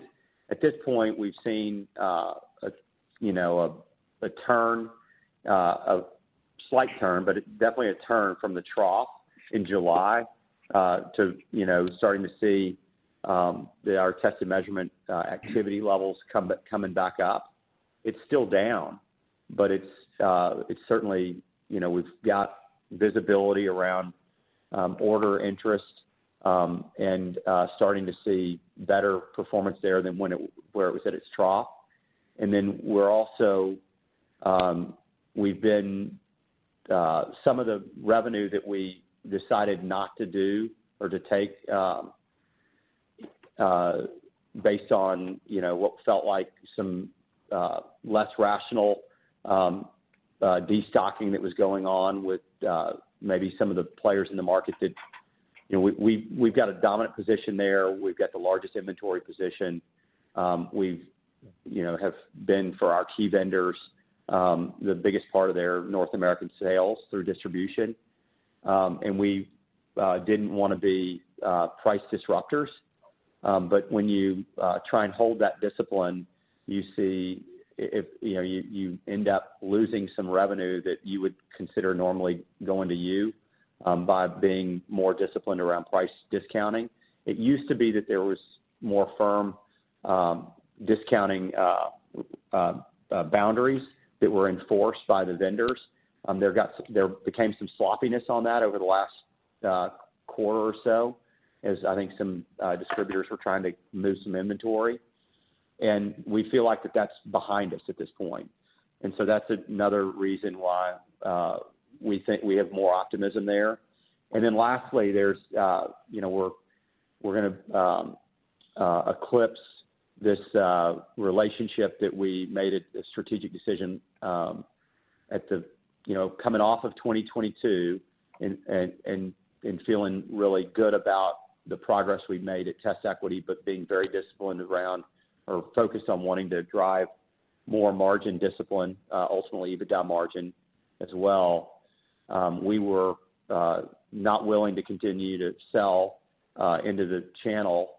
at this point, we've seen, you know, a turn, a slight turn, but it's definitely a turn from the trough in July to, you know, starting to see our test and measurement activity levels coming back up. It's still down, but it's certainly, you know, we've got visibility around order interest and starting to see better performance there than where it was at its trough. We're also some of the revenue that we decided not to do or to take based on, you know, what felt like some less rational destocking that was going on with maybe some of the players in the market that, you know, we've got a dominant position there. We've got the largest inventory position. We, you know, have been for our key vendors the biggest part of their North American sales through distribution. We didn't wanna be price disruptors. When you try and hold that discipline, you see, you know, you end up losing some revenue that you would consider normally going to you by being more disciplined around price discounting. It used to be that there was more firm discounting boundaries that were enforced by the vendors. There became some sloppiness on that over the last quarter or so, as I think some distributors were trying to move some inventory. And we feel like that that's behind us at this point. And so that's another reason why we think we have more optimism there. And then lastly, there's you know, we're gonna eclipse this relationship that we made a strategic decision at the you know, coming off of 2022 and feeling really good about the progress we've made at TestEquity, but being very disciplined around or focused on wanting to drive more margin discipline ultimately EBITDA margin as well. We were not willing to continue to sell into the channel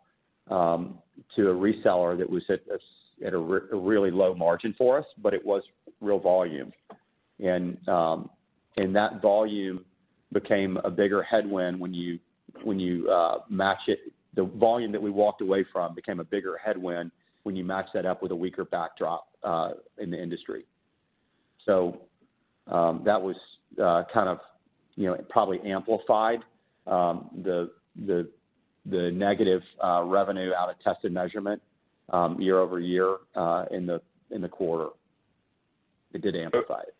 to a reseller that was at a really low margin for us, but it was real volume. And that volume became a bigger headwind when you match it. The volume that we walked away from became a bigger headwind when you match that up with a weaker backdrop in the industry. So, that was kind of, you know, it probably amplified the negative revenue out of test and measurement year-over-year in the quarter. It did amplify it.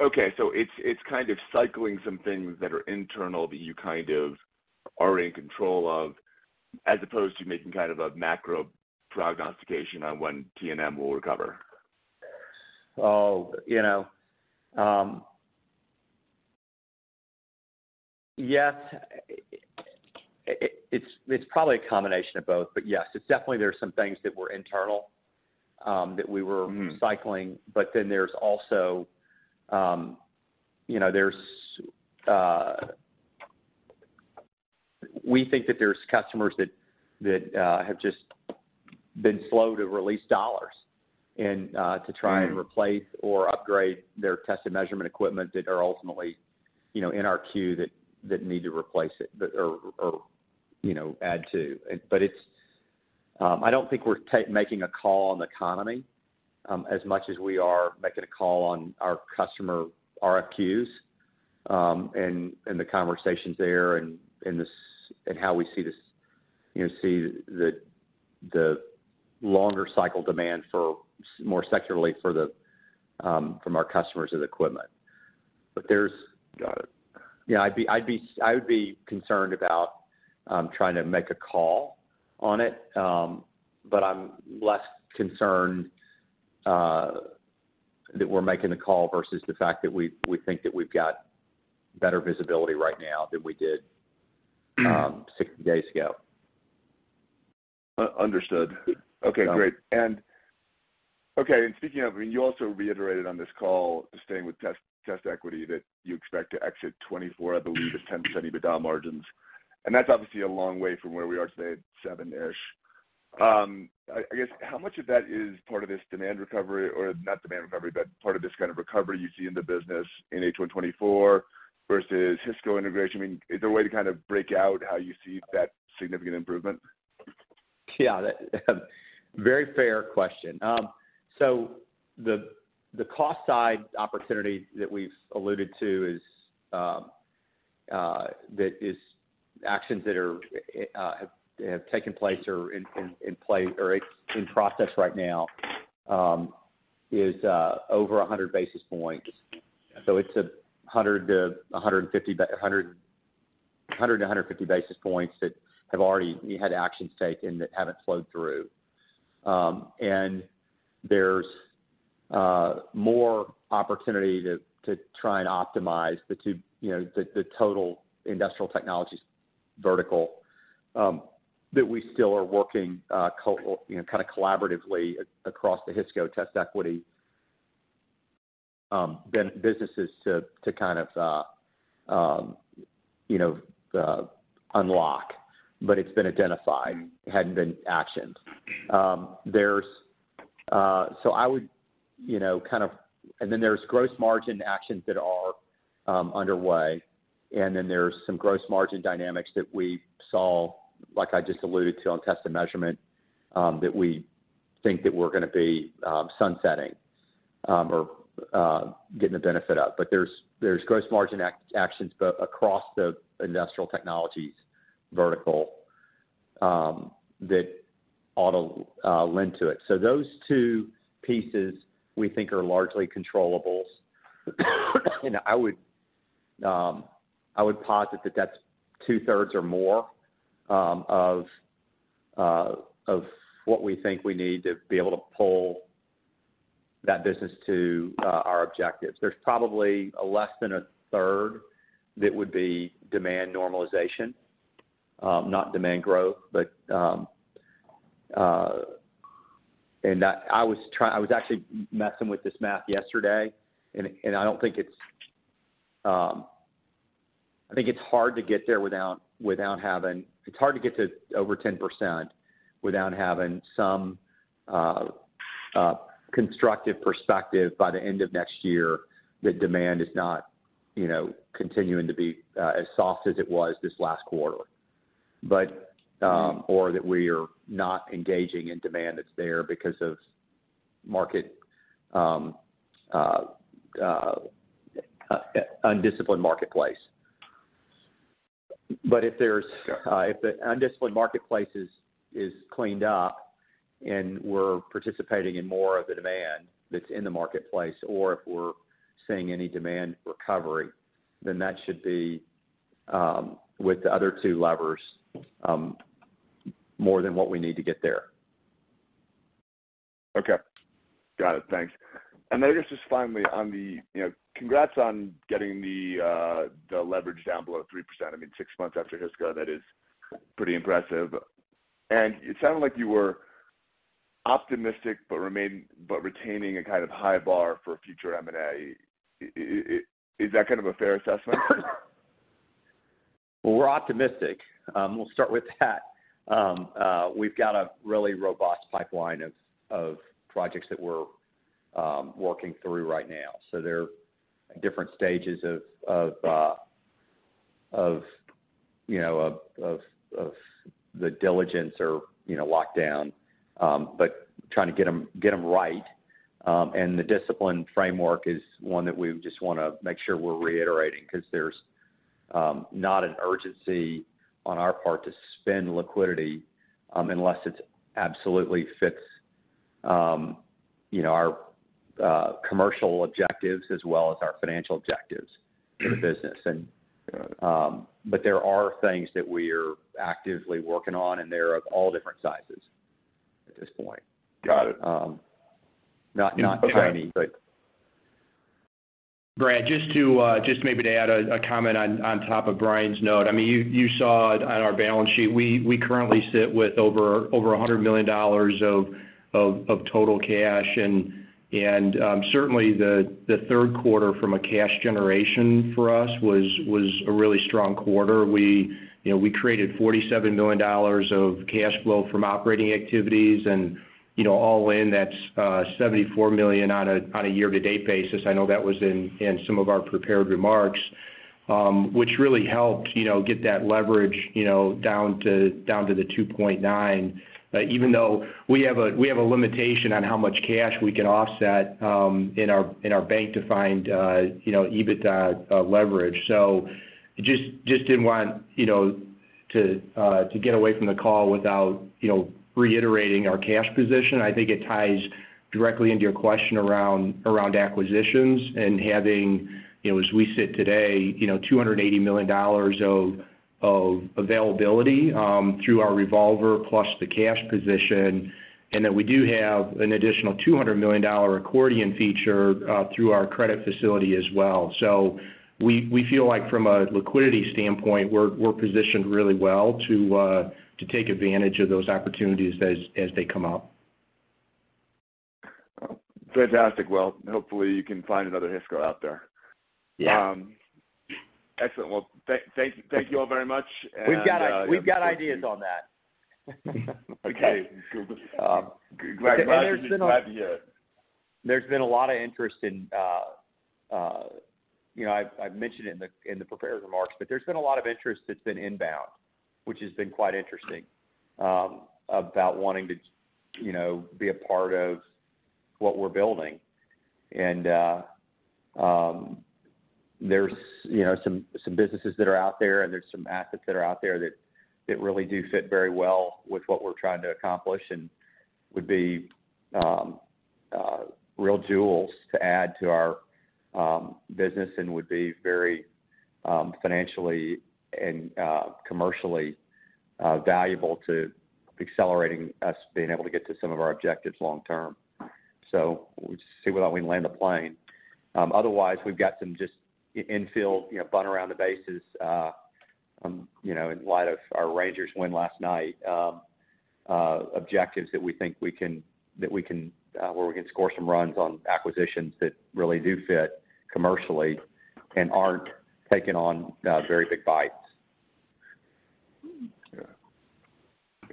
Okay, so it's, it's kind of cycling some things that are internal, that you kind of are in control of, as opposed to making kind of a macro prognostication on when T&M will recover? Oh, you know, yes, it's, it's probably a combination of both, but yes, it's definitely there are some things that were internal, that we were- Mm-hmm. -cycling, but then there's also, you know, there's customers that have just been slow to release dollars and to try and replace or upgrade their test and measurement equipment that are ultimately, you know, in our queue that need to replace it, but or, or, you know, add to. But it's, I don't think we're making a call on the economy, as much as we are making a call on our customer RFQs, and, and the conversations there and, and this, and how we see this, you know, see the longer cycle demand for more secularly for the from our customers of the equipment. But there's- Got it. Yeah, I would be concerned about trying to make a call on it, but I'm less concerned that we're making the call versus the fact that we think that we've got better visibility right now than we did 60 days ago. Understood. Okay, great. And okay, and speaking of, and you also reiterated on this call, staying with TestEquity, that you expect to exit 2024, I believe, at 10% EBITDA margins. And that's obviously a long way from where we are today at 7-ish%. I guess, how much of that is part of this demand recovery, or not demand recovery, but part of this kind of recovery you see in the business in H1 2024 versus Hisco integration? I mean, is there a way to kind of break out how you see that significant improvement? Yeah, very fair question. So the cost side opportunity that we've alluded to is actions that have taken place or are in play or in process right now, over 100 basis points. So it's 100 to 150 basis points that have already had actions taken that haven't flowed through. And there's more opportunity to try and optimize the two, you know, the total industrial technologies vertical that we still are working collaboratively across the Hisco TestEquity businesses to kind of unlock, but it's been identified, hadn't been actioned. There's... So I would, you know, kind of. And then there's gross margin actions that are underway, and then there's some gross margin dynamics that we saw, like I just alluded to on test and measurement, that we think that we're gonna be sunsetting or getting the benefit of. But there's gross margin actions but across the industrial technologies vertical, that ought to lend to it. So those two pieces, we think, are largely controllables. And I would posit that that's two-thirds or more of what we think we need to be able to pull that business to our objectives. There's probably a less than a third that would be demand normalization, not demand growth, but and I was actually messing with this math yesterday, and I don't think it's, I think it's hard to get there without having. It's hard to get to over 10% without having some constructive perspective by the end of next year that demand is not, you know, continuing to be as soft as it was this last quarter. But or that we are not engaging in demand that's there because of market undisciplined marketplace. But if the undisciplined marketplace is cleaned up and we're participating in more of the demand that's in the marketplace, or if we're seeing any demand recovery, then that should be with the other two levers more than what we need to get there. Okay. Got it, thanks. And then just finally, on the, you know, congrats on getting the leverage down below 3%. I mean, six months after Hisco, that is pretty impressive. And it sounded like you were optimistic, but retaining a kind of high bar for future M&A. Is that kind of a fair assessment? Well, we're optimistic. We'll start with that. We've got a really robust pipeline of projects that we're working through right now. So they're in different stages of you know the diligence or, you know, locked down, but trying to get them, get them right. And the discipline framework is one that we just wanna make sure we're reiterating, 'cause there's not an urgency on our part to spend liquidity, unless it's absolutely fits, you know, our commercial objectives as well as our financial objectives for the business. And- Got it. There are things that we are actively working on, and they're of all different sizes at this point. Got it. Not tiny, but- Brad, just to just maybe to add a comment on top of Bryan's note. I mean, you saw it on our balance sheet, we currently sit with over $100 million of total cash, and certainly the third quarter from a cash generation for us was a really strong quarter. We, you know, we created $47 million of cash flow from operating activities and, you know, all in, that's $74 million on a year-to-date basis. I know that was in some of our prepared remarks, which really helped, you know, get that leverage, you know, down to 2.9. Even though we have a limitation on how much cash we can offset in our bank-defined, you know, EBITDA leverage. So just didn't want, you know, to get away from the call without, you know, reiterating our cash position. I think it ties directly into your question around acquisitions and having, you know, as we sit today, you know, $280 million of availability through our revolver plus the cash position, and that we do have an additional $200 million accordion feature through our credit facility as well. So we feel like from a liquidity standpoint, we're positioned really well to take advantage of those opportunities as they come up. Fantastic. Well, hopefully, you can find another Hisco out there. Yeah. Excellent. Well, thank you all very much. We've got, we've got ideas on that. Okay, good. Glad, glad to hear. There's been a lot of interest in. You know, I, I've mentioned it in the prepared remarks, but there's been a lot of interest that's been inbound, which has been quite interesting about wanting to, you know, be a part of what we're building. And there's, you know, some businesses that are out there, and there's some assets that are out there that really do fit very well with what we're trying to accomplish and would be real jewels to add to our business and would be very financially and commercially valuable to accelerating us being able to get to some of our objectives long term. So we'll just see whether we can land the plane. Otherwise, we've got some just infill, you know, bunt around the bases, you know, in light of our Rangers win last night, objectives that we think we can, where we can score some runs on acquisitions that really do fit commercially and aren't taking on very big bites. Yeah.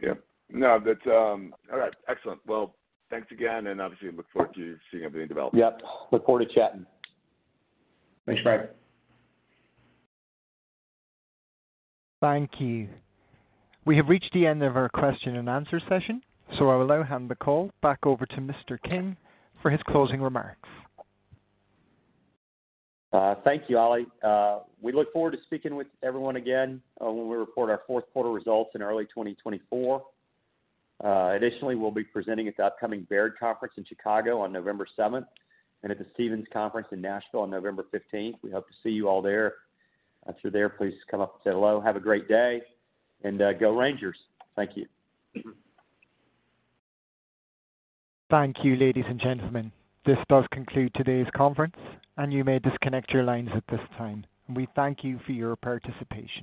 Yep. No, that's... All right. Excellent. Well, thanks again, and obviously look forward to seeing everything develop. Yep. Look forward to chatting. Thanks, Bryan. Thank you. We have reached the end of our question-and-answer session, so I will now hand the call back over to Mr. King for his closing remarks. Thank you, Ali. We look forward to speaking with everyone again, when we report our fourth quarter results in early 2024. Additionally, we'll be presenting at the upcoming Baird Conference in Chicago on November 7 and at the Stephens Conference in Nashville on November 15. We hope to see you all there. If you're there, please come up and say hello. Have a great day, and, go Rangers! Thank you. Thank you, ladies and gentlemen. This does conclude today's conference, and you may disconnect your lines at this time. We thank you for your participation.